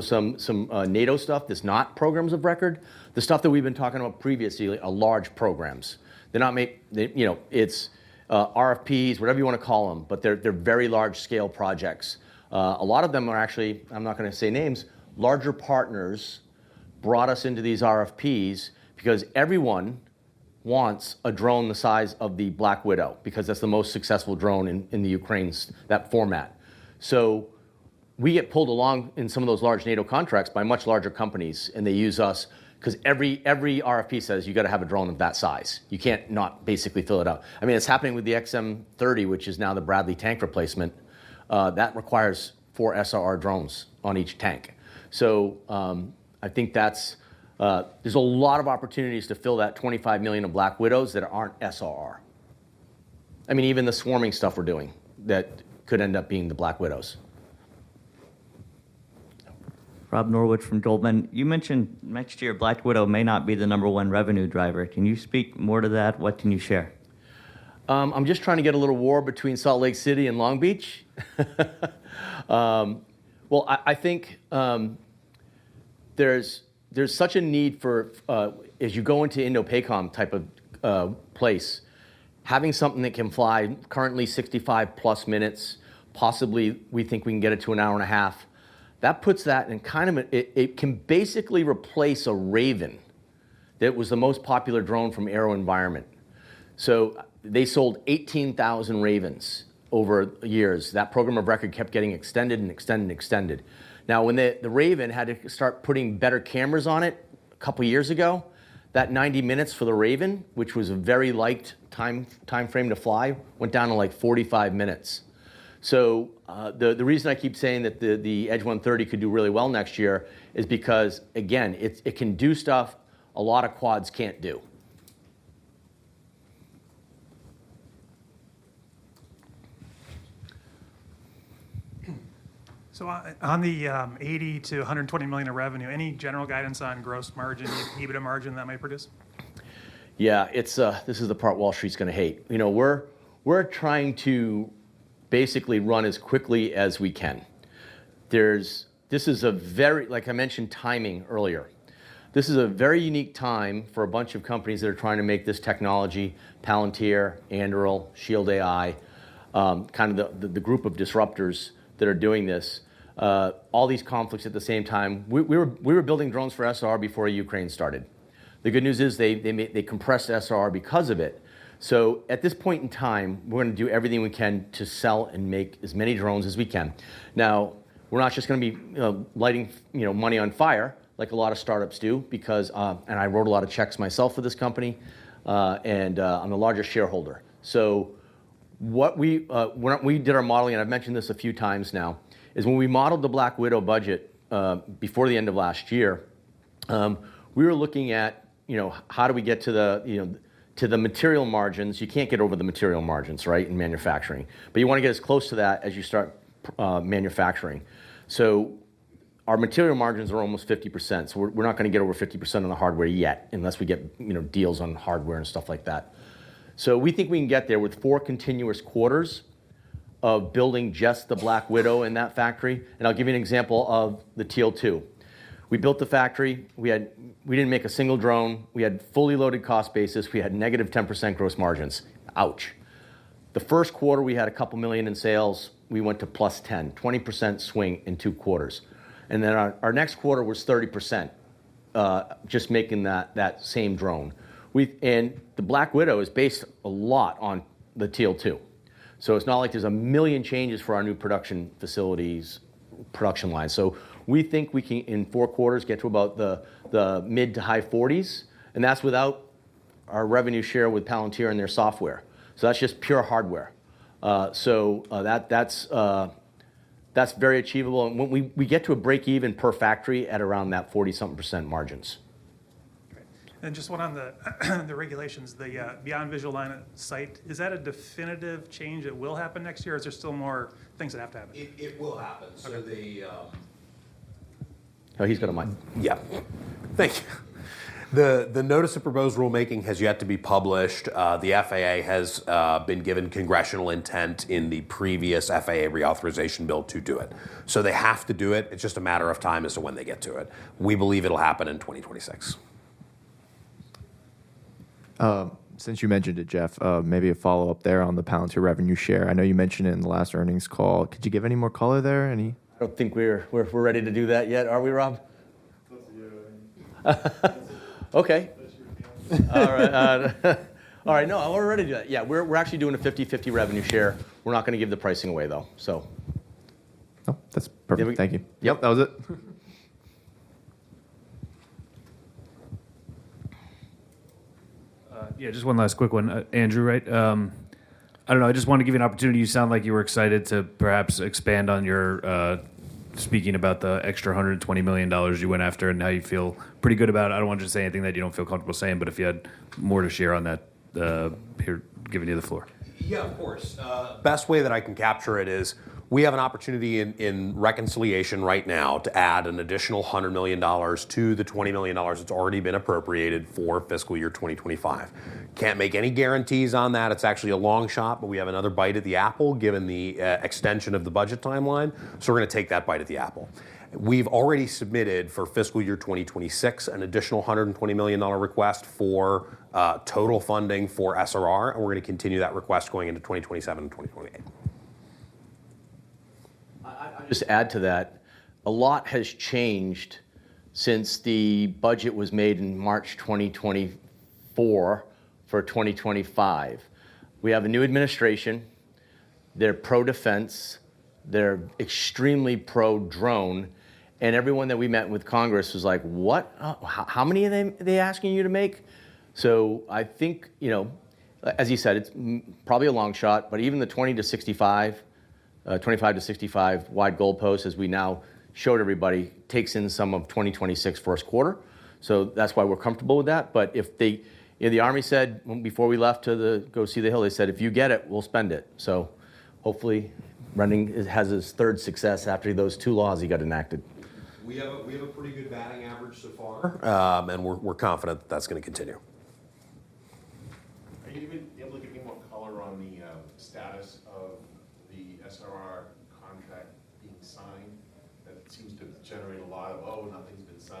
some NATO stuff that's not programs of record. The stuff that we've been talking about previously, large programs. It's RFPs, whatever you want to call them, but they're very large-scale projects. A lot of them are actually, I'm not going to say names, larger partners brought us into these RFPs because everyone wants a drone the size of the Black Widow because that's the most successful drone in Ukraine, that format. So we get pulled along in some of those large NATO contracts by much larger companies, and they use us because every RFP says, "You got to have a drone of that size. You can't not basically fill it up." I mean, it's happening with the XM-30, which is now the Bradley tank replacement. That requires four SRR drones on each tank. So I think there's a lot of opportunities to fill that 25 million of Black Widows that aren't SRR. I mean, even the swarming stuff we're doing that could end up being the Black Widows. Rob Norwich from Goldman, you mentioned next year, Black Widow may not be the number one revenue driver. Can you speak more to that? What can you share? I'm just trying to get a little war between Salt Lake City and Long Beach. Well, I think there's such a need for, as you go into Indo-Pacific type of place, having something that can fly currently 65-plus minutes, possibly we think we can get it to an hour and a half. That puts that in kind of a, it can basically replace a Raven that was the most popular drone from AeroVironment. So they sold 18,000 Ravens over the years. That program of record kept getting extended and extended and extended. Now, when the Raven had to start putting better cameras on it a couple of years ago, that 90 minutes for the Raven, which was a very liked time frame to fly, went down to like 45 minutes. So the reason I keep saying that the Edge 130 could do really well next year is because, again, it can do stuff a lot of quads can't do. So on the $80-120 million of revenue, any general guidance on gross margin, EBITDA margin that might produce? Yeah. This is the part Wall Street's going to hate. We're trying to basically run as quickly as we can. This is a very, like I mentioned timing earlier. This is a very unique time for a bunch of companies that are trying to make this technology, Palantir, Anduril, Shield AI, kind of the group of disruptors that are doing this, all these conflicts at the same time. We were building drones for SRR before Ukraine started. The good news is they compressed SRR because of it. So at this point in time, we're going to do everything we can to sell and make as many drones as we can. Now, we're not just going to be lighting money on fire like a lot of startups do, and I wrote a lot of checks myself for this company, and I'm the largest shareholder. We did our modeling, and I've mentioned this a few times now. When we modeled the Black Widow budget before the end of last year, we were looking at how do we get to the material margins. You can't get over the material margins, right, in manufacturing. But you want to get as close to that as you start manufacturing. Our material margins are almost 50%. We're not going to get over 50% on the hardware yet unless we get deals on hardware and stuff like that. We think we can get there with four continuous quarters of building just the Black Widow in that factory. I'll give you an example of the Teal 2. We built the factory. We didn't make a single drone. We had fully loaded cost basis. We had negative 10% gross margins. Ouch. The first quarter, we had $2 million in sales. We went to +10%-20% swing in two quarters. And then our next quarter was 30%, just making that same drone. And the Black Widow is based a lot on the Teal 2. So it's not like there's a million changes for our new production facilities, production lines. So we think we can, in four quarters, get to about the mid- to high 40s. And that's without our revenue share with Palantir and their software. So that's just pure hardware. So that's very achievable. And we get to a break-even per factory at around that 40-something% margins. And just one on the regulations, the Beyond Visual Line of Sight, is that a definitive change that will happen next year, or is there still more things that have to happen? It will happen. Oh, he's got a mic. Yeah. Thank you. The notice of proposed rulemaking has yet to be published. The FAA has been given congressional intent in the previous FAA reauthorization bill to do it. So they have to do it. It's just a matter of time as to when they get to it. We believe it'll happen in 2026. Since you mentioned it, Jeff, maybe a follow-up there on the Palantir revenue share. I know you mentioned it in the last earnings call. Could you give any more color there? I don't think we're ready to do that yet, are we, Rob? Okay. All right. All right. No, we're ready to do that. Yeah, we're actually doing a 50/50 revenue share. We're not going to give the pricing away, though, so. Nope. That's perfect. Thank you. Yep, that was it. Yeah, just one last quick one, Andrew, right? I don't know. I just wanted to give you an opportunity. You sound like you were excited to perhaps expand on your speaking about the extra $120 million you went after and how you feel pretty good about it. I don't want you to say anything that you don't feel comfortable saying, but if you had more to share on that, give me the floor. Yeah, of course. Best way that I can capture it is we have an opportunity in reconciliation right now to add an additional $100 million to the $20 million that's already been appropriated for fiscal year 2025. Can't make any guarantees on that. It's actually a long shot, but we have another bite at the apple given the extension of the budget timeline. So we're going to take that bite at the apple. We've already submitted for fiscal year 2026 an additional $120 million request for total funding for SRR, and we're going to continue that request going into 2027 and 2028. I'll just add to that. A lot has changed since the budget was made in March 2024 for 2025. We have a new administration. They're pro-defense. They're extremely pro-drone. And everyone that we met with Congress was like, "What? How many are they asking you to make?" So I think, as you said, it's probably a long shot, but even the 20 to 65, 25 to 65 wide goalposts, as we now showed everybody, takes in some of 2026 first quarter. So that's why we're comfortable with that. The army said before we left to go see the hill, they said, "If you get it, we'll spend it." Hopefully running has his third success after those two laws he got enacted. We have a pretty good batting average so far, and we're confident that that's going to continue. Are you even able to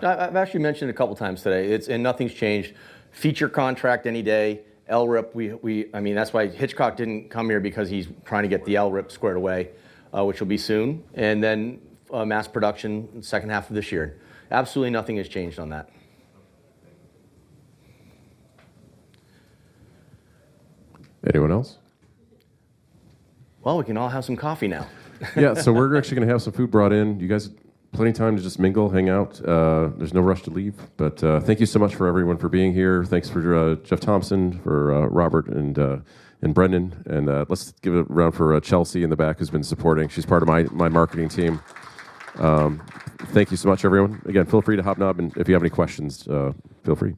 give me more color on the status of the SRR contract being signed? That seems to generate a lot of, "Oh, nothing's been signed." I've actually mentioned it a couple of times today, and nothing's changed. The contract any day, LRIP. I mean, that's why Hitchcock didn't come here because he's trying to get the LRIP squared away, which will be soon. And then mass production second half of this year. Absolutely nothing has changed on that. Anyone else? Well, we can all have some coffee now. Yeah. So we're actually going to have some food brought in. You guys have plenty of time to just mingle, hang out. There's no rush to leave. But thank you so much for everyone for being here. Thanks for Jeff Thompson, for Robert and Brendan. And let's give it a round for Chelsea in the back who's been supporting. She's part of my marketing team. Thank you so much, everyone. Again, feel free to hop in. If you have any questions, feel free.